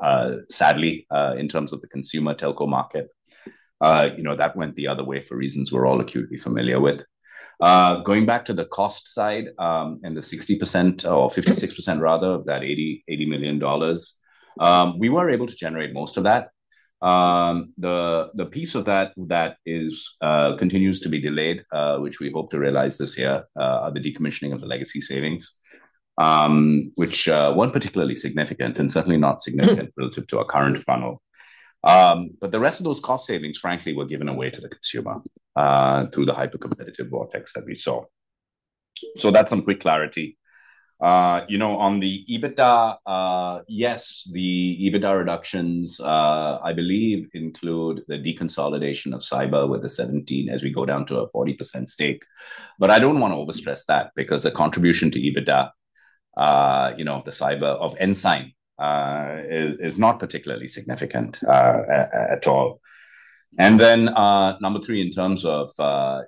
sadly, in terms of the consumer telco market, you know, that went the other way for reasons we're all acutely familiar with. Going back to the cost side, and the 60%, or 56% rather, of that 80 million dollars, we were able to generate most of that. The piece of that that is continues to be delayed, which we hope to realize this year, are the decommissioning of the legacy systems, which weren't particularly significant and certainly not significant.
Mm...
relative to our current funnel. But the rest of those cost savings, frankly, were given away to the consumer, through the hypercompetitive vortex that we saw. So that's some quick clarity. You know, on the EBITDA, yes, the EBITDA reductions, I believe, include the deconsolidation of cyber with the 17 as we go down to a 40% stake. But I don't want to overstress that, because the contribution to EBITDA, you know, of the cyber, of Ensign, is, is not particularly significant, at all. And then, number three, in terms of,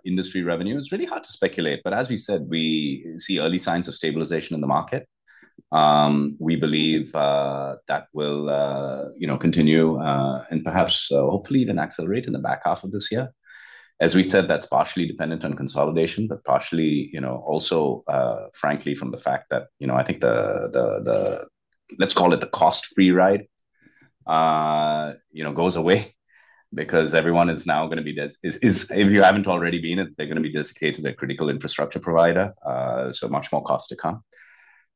industry revenue, it's really hard to speculate, but as we said, we see early signs of stabilization in the market. We believe, that will, you know, continue, and perhaps, hopefully even accelerate in the back half of this year. As we said, that's partially dependent on consolidation, but partially, you know, also, frankly, from the fact that, you know, I think let's call it the cost-free ride, you know, goes away because everyone is now gonna be this. If you haven't already been, they're gonna be dedicated to their critical infrastructure provider, so much more cost to come.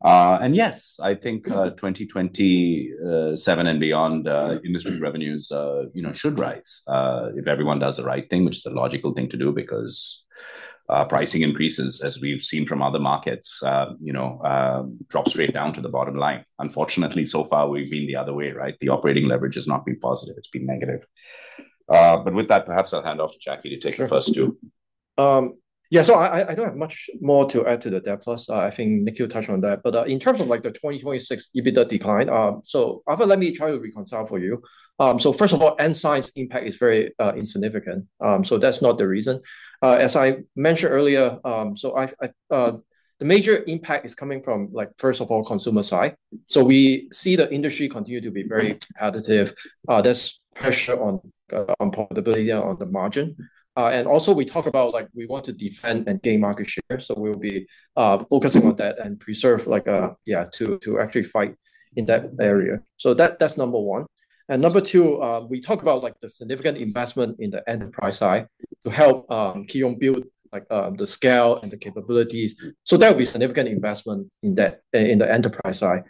And yes, I think 2027 and beyond, industry revenues, you know, should rise, if everyone does the right thing, which is the logical thing to do, because pricing increases, as we've seen from other markets, you know, drops straight down to the bottom line. Unfortunately, so far, we've been the other way, right? The operating leverage has not been positive, it's been negative. With that, perhaps I'll hand off to Jacky to take the first two.
Sure. Yeah, so I don't have much more to add to the DARE+. I think Nikhil touched on that. But in terms of, like, the 2026 EBITDA decline, so Arthur, let me try to reconcile for you. So first of all, Ensign's impact is very insignificant, so that's not the reason. As I mentioned earlier, the major impact is coming from, like, first of all, consumer side. So we see the industry continue to be very competitive. There's pressure on profitability on the margin. And also, we talk about, like, we want to defend and gain market share, so we'll be focusing on that and preserve, like, yeah, to actually fight in that area. So that, that's number one. Number two, we talk about, like, the significant investment in the enterprise side to help Kit Yong build, like, the scale and the capabilities. So there will be significant investment in that, in the enterprise side.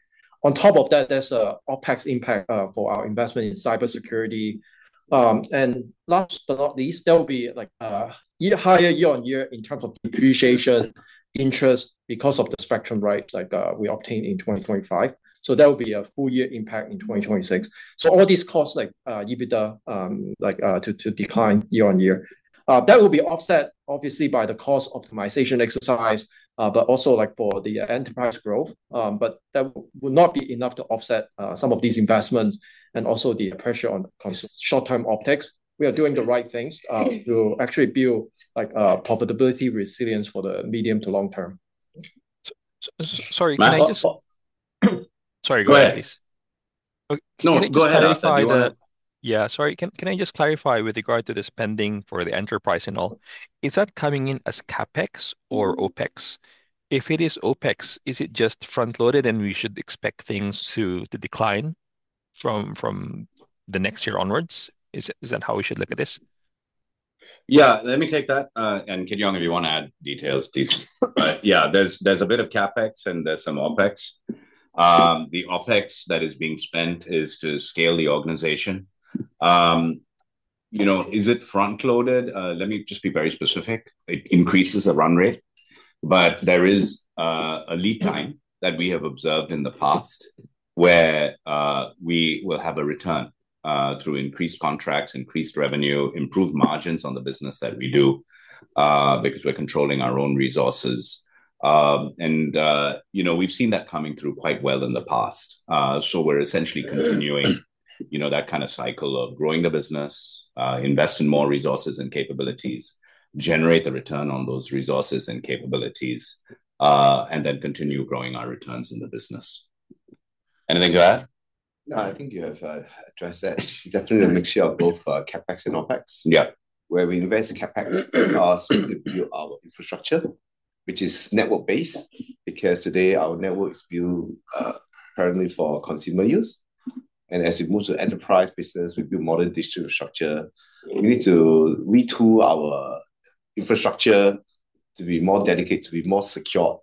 On top of that, there's a OpEx impact for our investment in cybersecurity. And last but not least, there will be, like, higher year-on-year in terms of depreciation interest because of the spectrum rights, like, we obtained in 2025. So there will be a full year impact in 2026. So all these costs, like, EBITDA, like, to decline year-on-year. That will be offset obviously by the cost optimization exercise, but also, like, for the enterprise growth. But that would not be enough to offset some of these investments and also the pressure on short-term OpEx. We are doing the right things to actually build, like, profitability resilience for the medium to long term.
Sorry, go ahead, please.
No, go ahead.
Can I just clarify with regard to the spending for the enterprise and all, is that coming in as CapEx or OpEx? If it is OpEx, is it just front-loaded and we should expect things to decline from the next year onwards? Is that how we should look at this?
Yeah, let me take that, and Kit Yong, if you want to add details, please. But yeah, there's a bit of CapEx, and there's some OpEx. The OpEx that is being spent is to scale the organization. You know, is it front-loaded? Let me just be very specific. It increases the run rate, but there is a lead time that we have observed in the past, where we will have a return through increased contracts, increased revenue, improved margins on the business that we do, because we're controlling our own resources. And you know, we've seen that coming through quite well in the past. So we're essentially continuing, you know, that kind of cycle of growing the business, invest in more resources and capabilities, generate the return on those resources and capabilities, and then continue growing our returns in the business. Anything to add?
No, I think you have addressed that. Definitely a mixture of both, CapEx and OpEx.
Yeah.
Where we invest CapEx to build our infrastructure, which is network-based. Because today, our network is built currently for consumer use, and as we move to enterprise business, we build modern digital infrastructure. We need to retool our infrastructure to be more dedicated, to be more secure,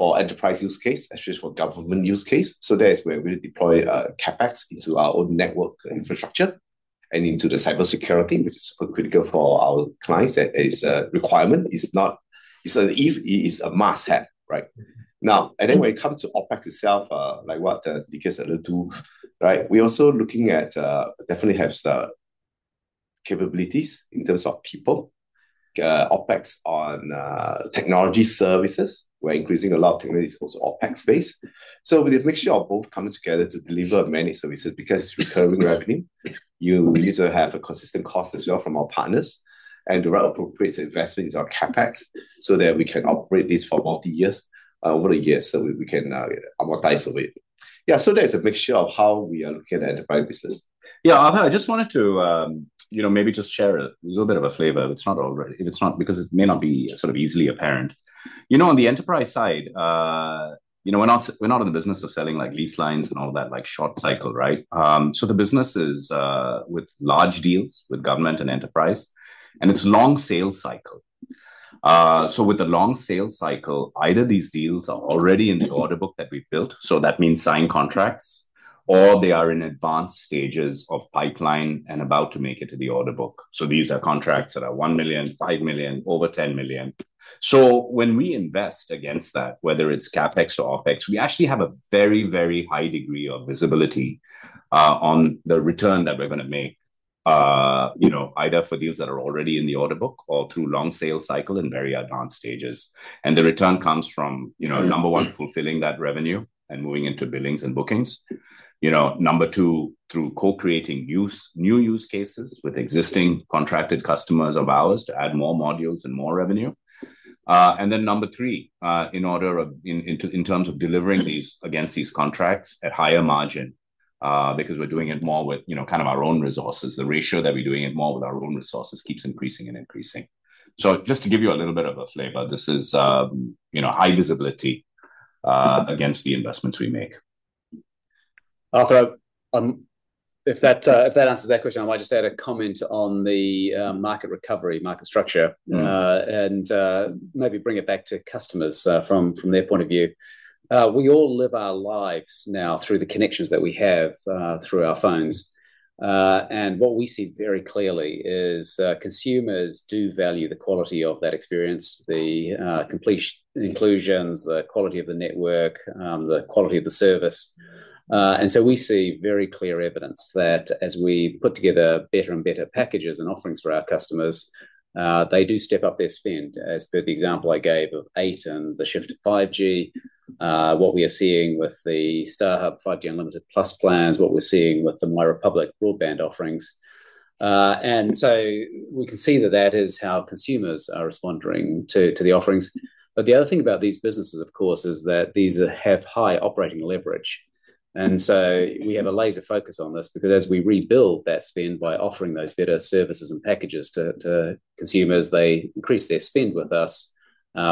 for enterprise use case, especially for government use case. So that is where we deploy CapEx into our own network infrastructure and into the cybersecurity, which is critical for our clients. That is a requirement. It's not. It's an if, it's a must-have, right? Now, and then when it comes to OpEx itself, like what Nikhil said too, right? We're also looking at definitely have the capabilities in terms of people, OpEx on technology services. We're increasing a lot of technologies, also OpEx-based. So with a mixture of both coming together to deliver many services, because it's recurring revenue, you need to have a consistent cost as well from our partners, and the right appropriate investment is our CapEx, so that we can operate this for multi years, over a year, so we can amortize away. Yeah, so there's a mixture of how we are looking at enterprise business.
Yeah, Arthur, I just wanted to, you know, maybe just share a little bit of a flavor. It's not because it may not be sort of easily apparent. You know, on the enterprise side, you know, we're not, we're not in the business of selling like leased lines and all that, like short cycle, right? So the business is, with large deals with government and enterprise, and it's long sales cycle. So with the long sales cycle, either these deals are already in the order book that we've built, so that means signed contracts, or they are in advanced stages of pipeline and about to make it to the order book. So these are contracts that are 1 million, 5 million, over 10 million. So when we invest against that, whether it's CapEx or OpEx, we actually have a very, very high degree of visibility on the return that we're going to make, you know, either for deals that are already in the order book or through long sales cycle and very advanced stages. And the return comes from, you know, number one, fulfilling that revenue and moving into billings and bookings. You know, number two, through co-creating use, new use cases with existing contracted customers of ours to add more modules and more revenue. And then number three, in order of, in, in, in terms of delivering these against these contracts at higher margin, because we're doing it more with, you know, kind of our own resources. The ratio that we're doing it more with our own resources keeps increasing and increasing. So just to give you a little bit of a flavor, this is, you know, high visibility against the investments we make.
Arthur, if that answers that question, I might just add a comment on the market recovery, market structure-
Mm.
And maybe bring it back to customers, from their point of view. We all live our lives now through the connections that we have, through our phones. And what we see very clearly is, consumers do value the quality of that experience, the complete inclusions, the quality of the network, the quality of the service. And so we see very clear evidence that as we put together better and better packages and offerings for our customers, they do step up their spend, as per the example I gave of Eight and the shift to 5G. What we are seeing with the StarHub 5G Unlimited Plus plans, what we're seeing with the MyRepublic broadband offerings. And so we can see that that is how consumers are responding to the offerings. But the other thing about these businesses, of course, is that these have high operating leverage. And so we have a laser focus on this because as we rebuild that spend by offering those better services and packages to consumers, they increase their spend with us,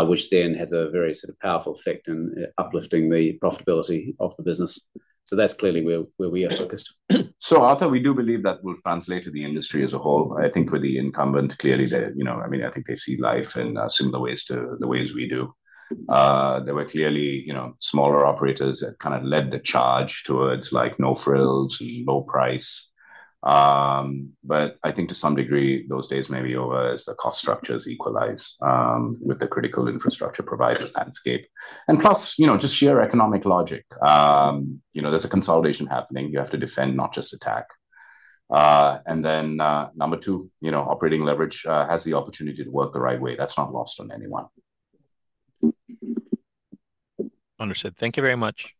which then has a very sort of powerful effect in uplifting the profitability of the business. So that's clearly where we are focused.
So, Arthur, we do believe that will translate to the industry as a whole. I think with the incumbent, clearly, they, you know, I mean, I think they see life in, similar ways to the ways we do. There were clearly, you know, smaller operators that kind of led the charge towards like no frills and low price. But I think to some degree, those days may be over as the cost structures equalize, with the critical infrastructure provider landscape. And plus, you know, just sheer economic logic. You know, there's a consolidation happening. You have to defend, not just attack. And then, number two, you know, operating leverage, has the opportunity to work the right way. That's not lost on anyone.
Understood. Thank you very much....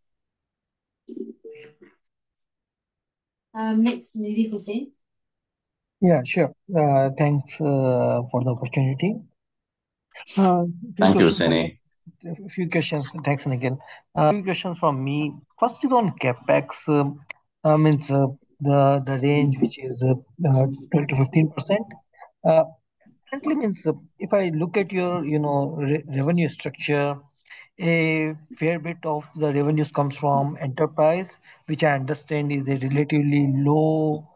next, maybe Hussaini?
Yeah, sure. Thanks for the opportunity.
Thank you, Hussaini.
A few questions. Thanks, Nikhil. A few questions from me. First is on CapEx, the range, which is 12%-15%. Frankly, if I look at your, you know, revenue structure, a fair bit of the revenues comes from enterprise, which I understand is a relatively low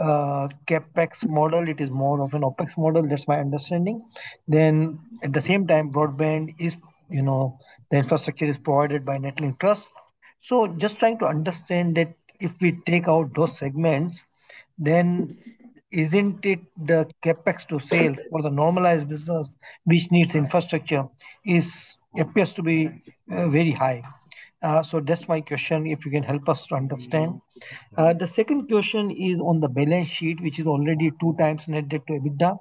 CapEx model. It is more of an OpEx model. That's my understanding. Then, at the same time, broadband is, you know, the infrastructure is provided by NetLink Trust. So just trying to understand that if we take out those segments, then isn't it the CapEx to sales for the normalized business, which needs infrastructure, is, appears to be very high? So that's my question, if you can help us to understand.
Mm-hmm.
The second question is on the balance sheet, which is already 2 times net debt to EBITDA.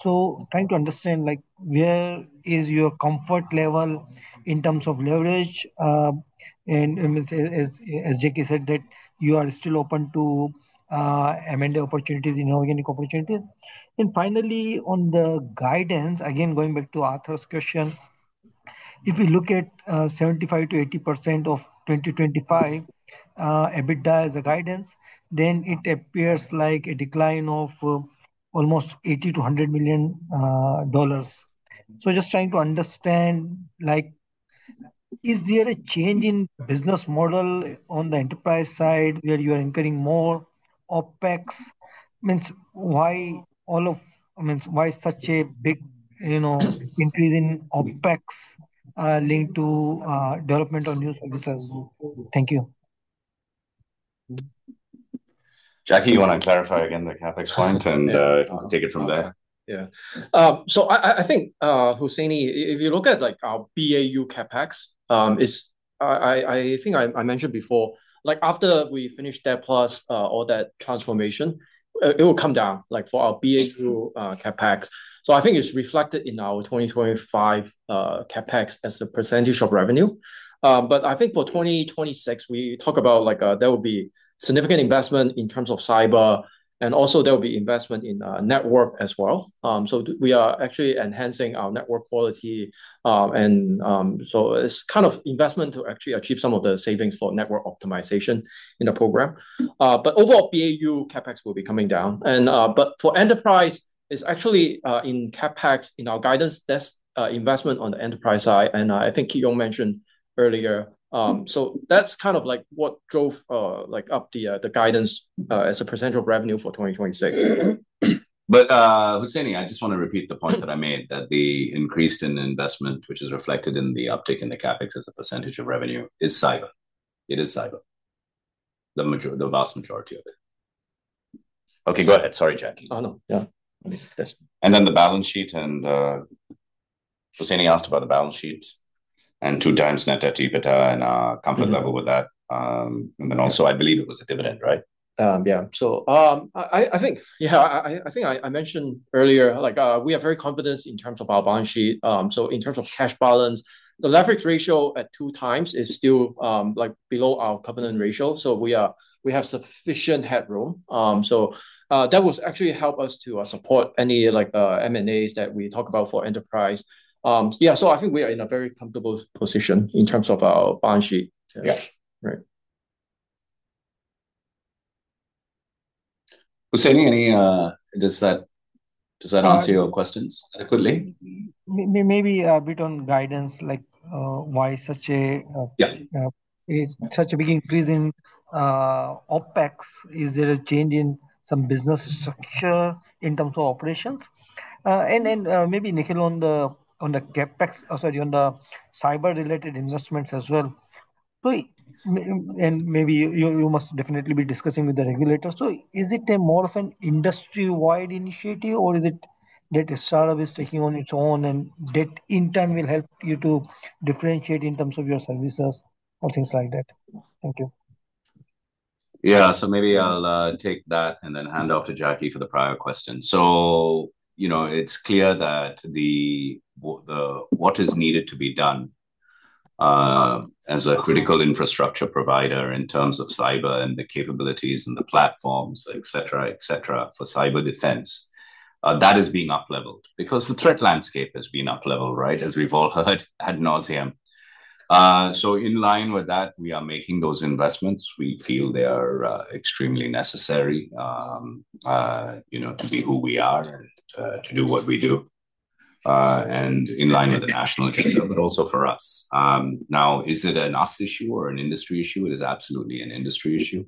So trying to understand, like, where is your comfort level in terms of leverage? And as Jacky said, that you are still open to M&A opportunities, you know, organic opportunities. And finally, on the guidance, again, going back to Arthur's question, if we look at 75%-80% of 2025 EBITDA as a guidance, then it appears like a decline of almost 80 million-100 million dollars. So just trying to understand, like, is there a change in business model on the enterprise side where you are incurring more OpEx? I mean, why such a big, you know, increase in OpEx linked to development of new services? Thank you.
Jacky, you want to clarify again the CapEx point and, take it from there?
Yeah. So I think, Hussaini, if you look at, like, our BAU CapEx, I think I mentioned before, like, after we finish that plus, all that transformation, it will come down, like, for our BAU CapEx. So I think it's reflected in our 2025 CapEx as a percentage of revenue. But I think for 2026, we talk about, like, there will be significant investment in terms of cyber, and also there will be investment in network as well. So we are actually enhancing our network quality. And so it's kind of investment to actually achieve some of the savings for network optimization in the program. But overall, BAU CapEx will be coming down. But for enterprise, it's actually in CapEx, in our guidance, that's investment on the enterprise side, and I think Kit Yong mentioned earlier. So that's kind of like what drove like up the guidance as a percentage of revenue for 2026.
But, Hussaini, I just want to repeat the point that I made, that the increase in investment, which is reflected in the uptick in the CapEx as a percentage of revenue, is cyber. It is cyber, the major, the vast majority of it. Okay, go ahead. Sorry, Jacky.
Oh, no. Yeah. Yes.
And then the balance sheet and, Hussaini asked about the balance sheet, and 2x net debt to EBITDA and, comfort level with that. And then also, I believe it was a dividend, right?
Yeah. So, I think I mentioned earlier, like, we are very confident in terms of our balance sheet. So in terms of cash balance, the leverage ratio at 2 times is still, like, below our covenant ratio. So we have sufficient headroom. So, that will actually help us to support any, like, M&As that we talk about for enterprise. Yeah, so I think we are in a very comfortable position in terms of our balance sheet.
Yeah.
Right.
Hussaini, any... Does that, does that answer your questions adequately?
Maybe a bit on guidance, like, why such a
Yeah...
such a big increase in OpEx? Is there a change in some business structure in terms of operations? And then, maybe, Nikhil, on the CapEx, sorry, on the cyber-related investments as well. So, and maybe you must definitely be discussing with the regulators. So is it more of an industry-wide initiative, or is it that StarHub is taking on its own, and that in time will help you to differentiate in terms of your services or things like that? Thank you.
Yeah. So maybe I'll take that and then hand off to Jacky for the prior question. So, you know, it's clear that what is needed to be done as a critical infrastructure provider in terms of cyber and the capabilities and the platforms, et cetera, et cetera, for cyber defense that is being upleveled because the threat landscape has been upleveled, right? As we've all heard ad nauseam. So in line with that, we are making those investments. We feel they are extremely necessary, you know, to be who we are and to do what we do and in line with the national interest, but also for us. Now, is it an us issue or an industry issue? It is absolutely an industry issue.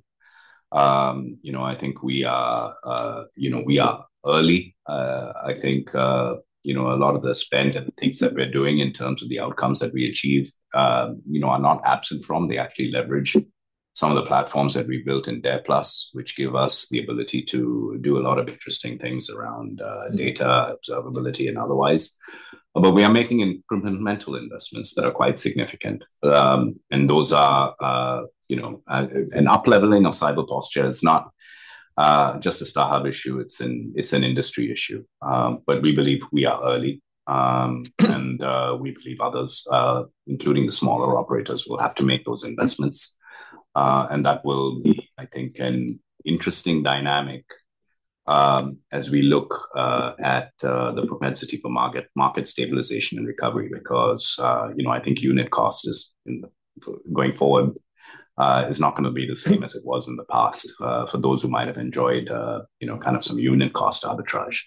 You know, I think we are, you know, we are early. I think, you know, a lot of the spend and the things that we're doing in terms of the outcomes that we achieve, you know, are not absent from, they actually leverage some of the platforms that we built in DARE+, which give us the ability to do a lot of interesting things around, data, observability, and otherwise. But we are making incremental investments that are quite significant. And those are, you know, an upleveling of cyber posture. It's not just a StarHub issue, it's an, it's an industry issue. But we believe we are early, and, we believe others, including the smaller operators, will have to make those investments. And that will be, I think, an interesting dynamic, as we look, at, the propensity for market, market stabilization and recovery. Because, you know, I think unit cost is going forward is not gonna be the same as it was in the past for those who might have enjoyed, you know, kind of some unit cost arbitrage.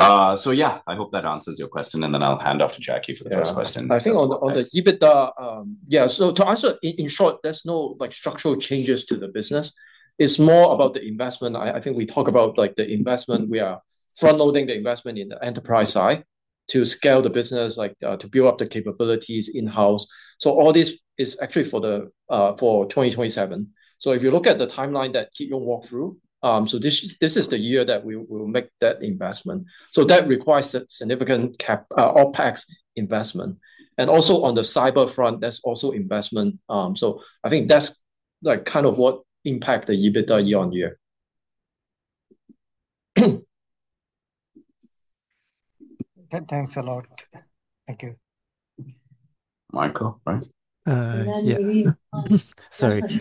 So yeah, I hope that answers your question, and then I'll hand off to Jacky for the first question.
Yeah. I think on the, on the EBITDA, yeah, so to answer, in short, there's no, like, structural changes to the business. It's more about the investment. I, I think we talk about, like, the investment, we are front-loading the investment in the enterprise side to scale the business, like, to build up the capabilities in-house. So all this is actually for the, for 2027. So if you look at the timeline that Kit Yong walked through, so this, this is the year that we, we will make that investment. So that requires a significant CapEx, OpEx investment. And also on the cyber front, that's also investment. So I think that's, like, kind of what impact the EBITDA year-over-year.
Thanks a lot. Thank you.
Michael, right?
Uh, yeah. And then maybe- Sorry.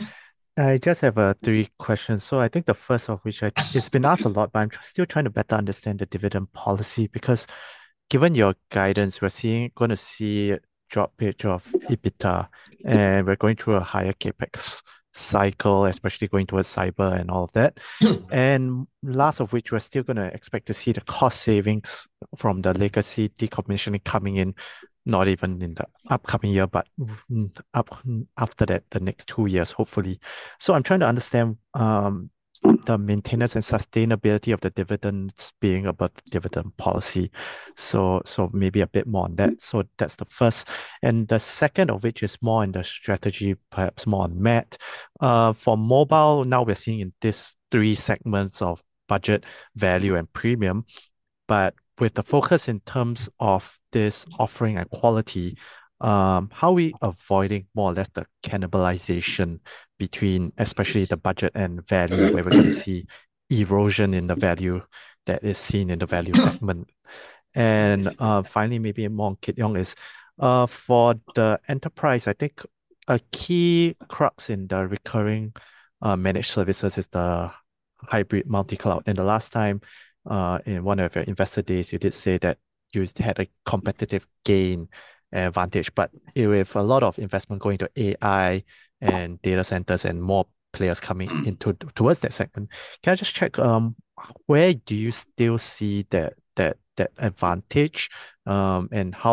I just have three questions. So I think the first of which, it's been asked a lot, but I'm still trying to better understand the dividend policy. Because given your guidance, we're seeing, gonna see a drop here of EBITDA, and we're going through a higher CapEx cycle, especially going towards cyber and all of that. And last of which, we're still gonna expect to see the cost savings from the legacy decommissioning coming in, not even in the upcoming year, but after that, the next two years, hopefully. So I'm trying to understand the maintenance and sustainability of the dividends being about the dividend policy. So, so maybe a bit more on that. So that's the first. And the second of which is more in the strategy, perhaps more on Matt. For mobile, now we're seeing in this three segments of budget, value, and premium, but with the focus in terms of this offering and quality, how are we avoiding more or less the cannibalization between, especially the budget and value, where we're going to see erosion in the value that is seen in the value segment? And finally, maybe more on Kit Yong is, for the enterprise, I think a key crux in the recurring, managed services is the hybrid multi-cloud. And the last time, in one of your investor days, you did say that you had a competitive gain and advantage, but with a lot of investment going to AI and data centers and more players coming into towards that segment. Can I just check, where do you still see that advantage? How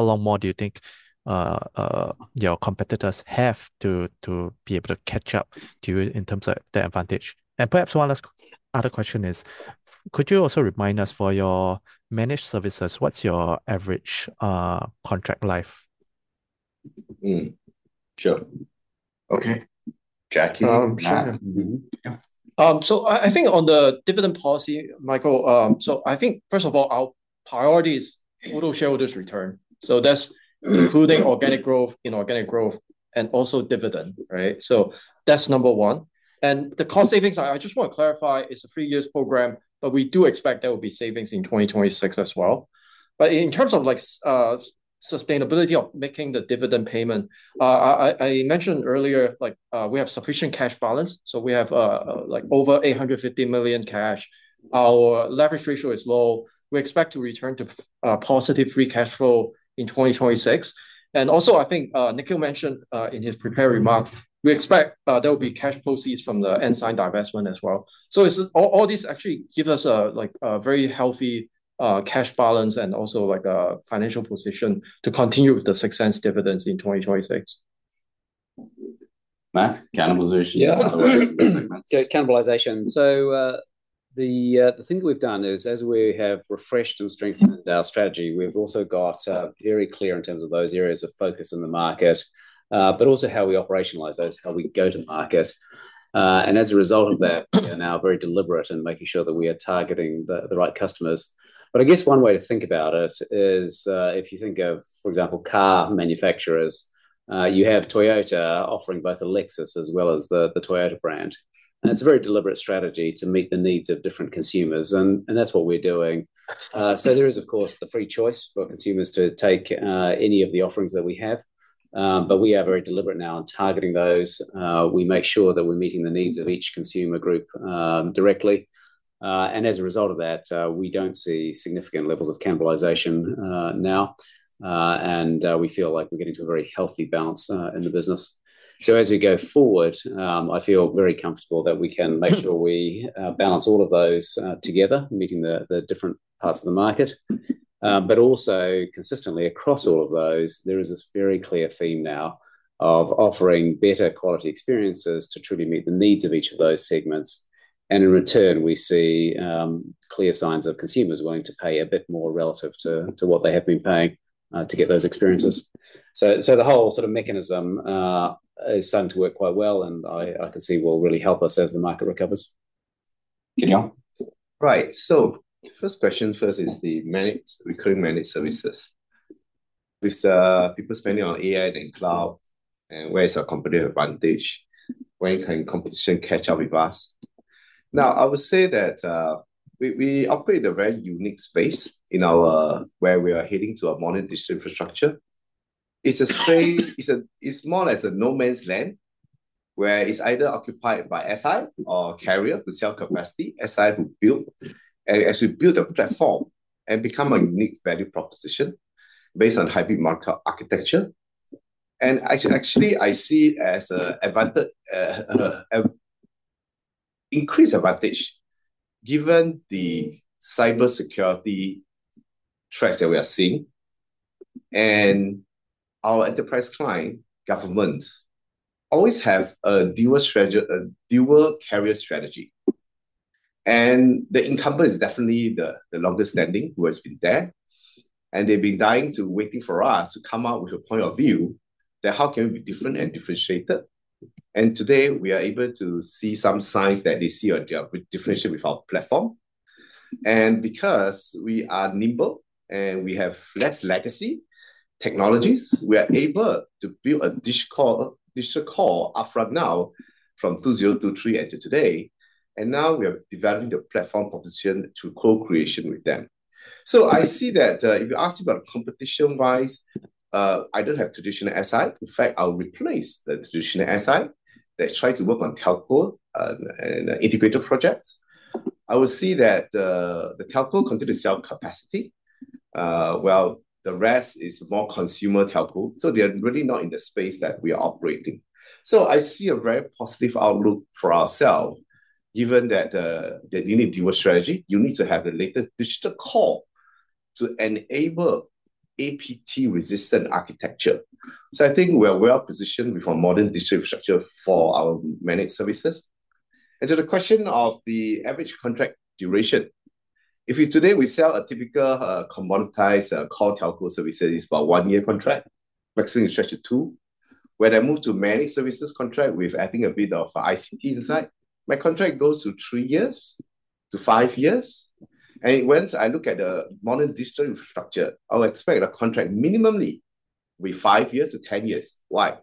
long more do you think your competitors have to be able to catch up to it in terms of the advantage? And perhaps one last other question is, could you also remind us for your managed services, what's your average contract life?
Sure. Okay. Jacky, Matt?
Um, sure.
Mm-hmm. Yeah.
I think on the dividend policy, Michael, so I think, first of all, our priority is total shareholders' return. So that's including organic growth, inorganic growth, and also dividend, right? So that's number one. And the cost savings, I just want to clarify, it's a three-year program, but we do expect there will be savings in 2026 as well. But in terms of, like, sustainability of making the dividend payment, I mentioned earlier, like, we have sufficient cash balance, so we have, like, over 850 million cash. Our leverage ratio is low. We expect to return to positive free cash flow in 2026. And also, I think, Nikhil mentioned in his prepared remarks, we expect there will be cash proceeds from the Ensign divestment as well. So it's... All this actually gives us a, like, a very healthy cash balance and also, like, a financial position to continue with the sustainable dividends in 2026.
Matt, cannibalization-
Yeah.
-segment.
So, cannibalization. So, the thing we've done is, as we have refreshed and strengthened our strategy, we've also got very clear in terms of those areas of focus in the market, but also how we operationalize those, how we go to market. And as a result of that, we are now very deliberate in making sure that we are targeting the right customers. But I guess one way to think about it is, if you think of, for example, car manufacturers, you have Toyota offering both Lexus as well as the Toyota brand, and it's a very deliberate strategy to meet the needs of different consumers, and that's what we're doing. So there is, of course, the free choice for consumers to take any of the offerings that we have, but we are very deliberate now in targeting those. We make sure that we're meeting the needs of each consumer group directly. And as a result of that, we don't see significant levels of cannibalization now, and we feel like we're getting to a very healthy balance in the business. So as we go forward, I feel very comfortable that we can make sure we balance all of those together, meeting the different parts of the market. But also consistently across all of those, there is this very clear theme now of offering better quality experiences to truly meet the needs of each of those segments. In return, we see clear signs of consumers willing to pay a bit more relative to what they have been paying to get those experiences. So the whole sort of mechanism is starting to work quite well, and I can see will really help us as the market recovers.
Kit Yong?
Right. So first question first is the managed, recurring managed services... with people spending on AI and cloud, and where is our competitive advantage? When can competition catch up with us? Now, I would say that we, we operate in a very unique space in our where we are heading to a modern digital infrastructure. It's a space... it's a, it's more or less a no-man's land, where it's either occupied by SI or carrier to sell capacity. SI will build, and as we build a platform and become a unique value proposition based on hybrid market architecture. And actually, I see it as a advantage, a increased advantage, given the cybersecurity threats that we are seeing. And our enterprise client, government, always have a dual strategy, a dual carrier strategy. And the incumbent is definitely the longest standing, who has been there, and they've been dying to waiting for us to come out with a point of view that how can we be different and differentiated? And today, we are able to see some signs that they see on their differentiation with our platform. And because we are nimble and we have less legacy technologies, we are able to build a digital core, digital core upfront now from 2020 to 2023 until today, and now we are developing the platform proposition through co-creation with them. So I see that, if you ask about competition-wise, I don't have traditional SI. In fact, I'll replace the traditional SI that try to work on telco, and integrated projects. I will see that, the telco continue to sell capacity, while the rest is more consumer telco, so they are really not in the space that we are operating. So I see a very positive outlook for ourself, given that, that you need dual strategy, you need to have the latest digital core to enable APT-resistant architecture. So I think we are well positioned with our modern digital infrastructure for our managed services. And to the question of the average contract duration, if today we sell a typical, commoditized, core telco services, it's about 1-year contract, maximum stretch to 2. When I move to managed services contract with adding a bit of ICT inside, my contract goes to 3-5 years. And once I look at the modern digital infrastructure, I'll expect a contract minimally with 5-10 years. Why?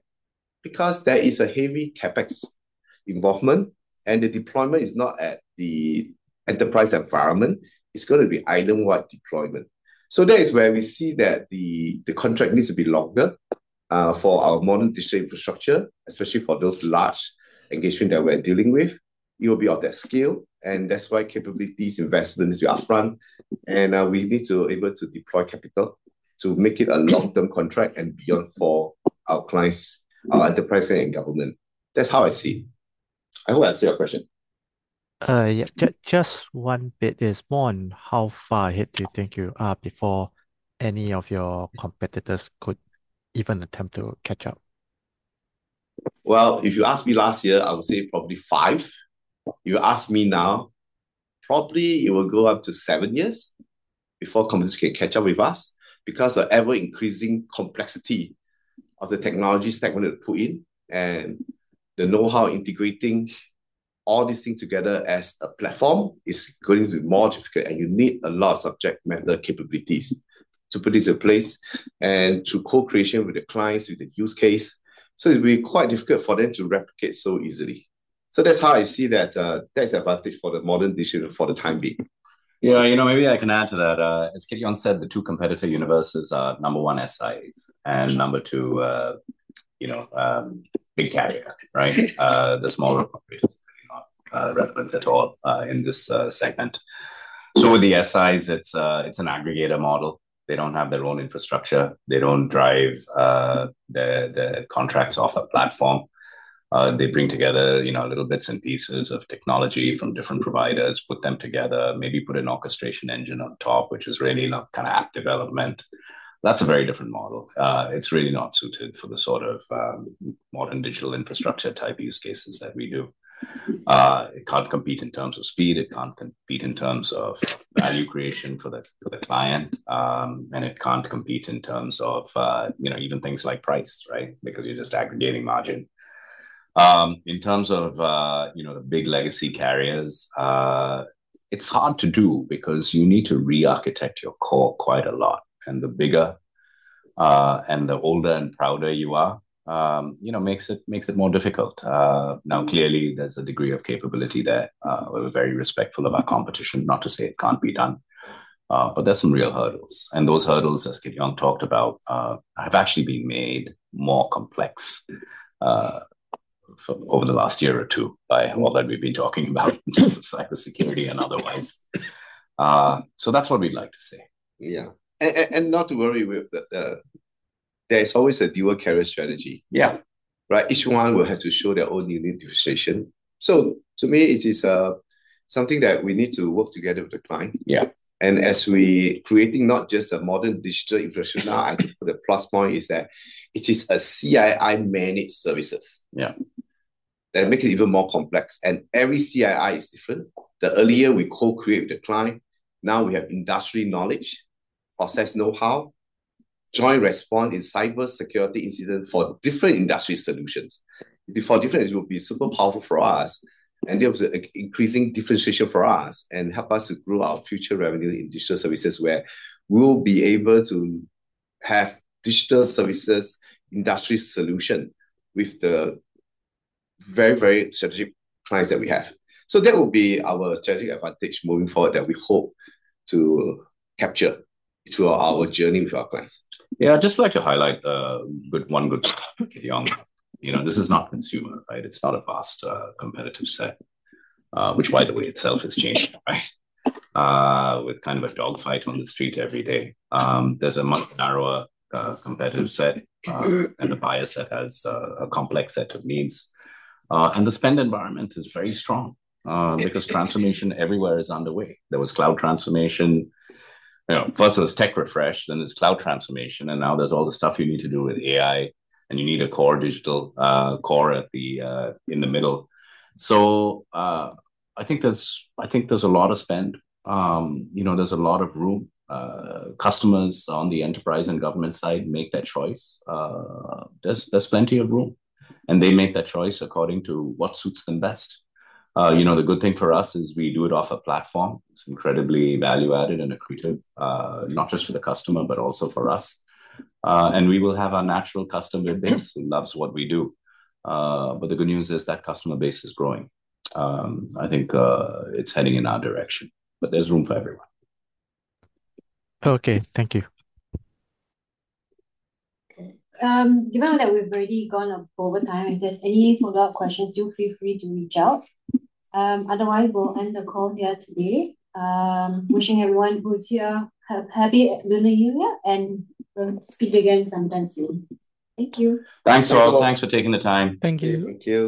Because there is a heavy CapEx involvement, and the deployment is not at the enterprise environment. It's going to be island-wide deployment. So that is where we see that the contract needs to be longer for our modern digital infrastructure, especially for those large engagement that we're dealing with. It will be of that scale, and that's why capabilities, investments are upfront, and we need to be able to deploy capital to make it a long-term contract and beyond for our clients, our enterprise and government. That's how I see it. I hope I answered your question.
Yeah, just one bit is more on how far ahead do you think you are before any of your competitors could even attempt to catch up?
Well, if you asked me last year, I would say probably 5. You ask me now, probably it will go up to 7 years before competitors can catch up with us, because the ever-increasing complexity of the technology stack we need to put in and the know-how integrating all these things together as a platform is going to be more difficult, and you need a lot of subject matter capabilities to put this in place and to co-creation with the clients with the use case. So it will be quite difficult for them to replicate so easily. So that's how I see that, that's advantage for the Modern Digital for the time being.
Yeah, you know, maybe I can add to that. As Kit Yong said, the two competitor universes are, number one, SIs, and number two, you know, big carrier, right? The smaller operators are not relevant at all in this segment. So with the SIs, it's an aggregator model. They don't have their own infrastructure. They don't drive the contracts off a platform. They bring together, you know, little bits and pieces of technology from different providers, put them together, maybe put an orchestration engine on top, which is really not kind of app development. That's a very different model. It's really not suited for the sort of modern digital infrastructure type use cases that we do. It can't compete in terms of speed, it can't compete in terms of value creation for the client, and it can't compete in terms of, you know, even things like price, right? Because you're just aggregating margin. In terms of, you know, the big legacy carriers, it's hard to do because you need to re-architect your core quite a lot, and the bigger, and the older and prouder you are, you know, makes it more difficult. Now, clearly, there's a degree of capability there. We're very respectful of our competition, not to say it can't be done, but there's some real hurdles. Those hurdles, as Kit Yong talked about, have actually been made more complex for over the last year or two by all that we've been talking about in terms of cybersecurity and otherwise. So that's what we'd like to say.
Yeah. And not to worry with the, there's always a dual carrier strategy.
Yeah.
Right. Each one will have to show their own unique differentiation. So to me, it is, something that we need to work together with the client.
Yeah.
As we're creating not just a modern digital infrastructure, I think the plus point is that it is a CII managed services.
Yeah.
That makes it even more complex, and every CII is different. The earlier we co-create with the client, now we have industry knowledge, process know-how, joint respond in cybersecurity incident for different industry solutions. For different, it will be super powerful for us and be able to increasing differentiation for us and help us to grow our future revenue in digital services, where we will be able to have digital services industry solution with very, very strategic clients that we have. So that will be our strategic advantage moving forward that we hope to capture through our journey with our clients.
Yeah, I'd just like to highlight, with one good young. You know, this is not consumer, right? It's not a fast, competitive set, which, by the way, itself has changed, right? With kind of a dogfight on the street every day. There's a much narrower, competitive set, and a buyer set that has, a complex set of needs. And the spend environment is very strong,
Yes.
Because transformation everywhere is underway. There was cloud transformation. You know, first it was tech refresh, then it's cloud transformation, and now there's all the stuff you need to do with AI, and you need a core digital, core at the, in the middle. So, I think there's, I think there's a lot of spend. You know, there's a lot of room. Customers on the enterprise and government side make that choice. There's, there's plenty of room, and they make that choice according to what suits them best. You know, the good thing for us is we do it off a platform. It's incredibly value-added and accretive, not just for the customer, but also for us. And we will have our natural customer base who loves what we do. But the good news is that customer base is growing. I think, it's heading in our direction, but there's room for everyone.
Okay. Thank you.
Okay, given that we've already gone up over time, if there's any follow-up questions, do feel free to reach out. Otherwise, we'll end the call here today. Wishing everyone who's here a happy Lunar New Year, and we'll speak again sometime soon. Thank you.
Thanks, all. Thanks for taking the time.
Thank you.
Thank you.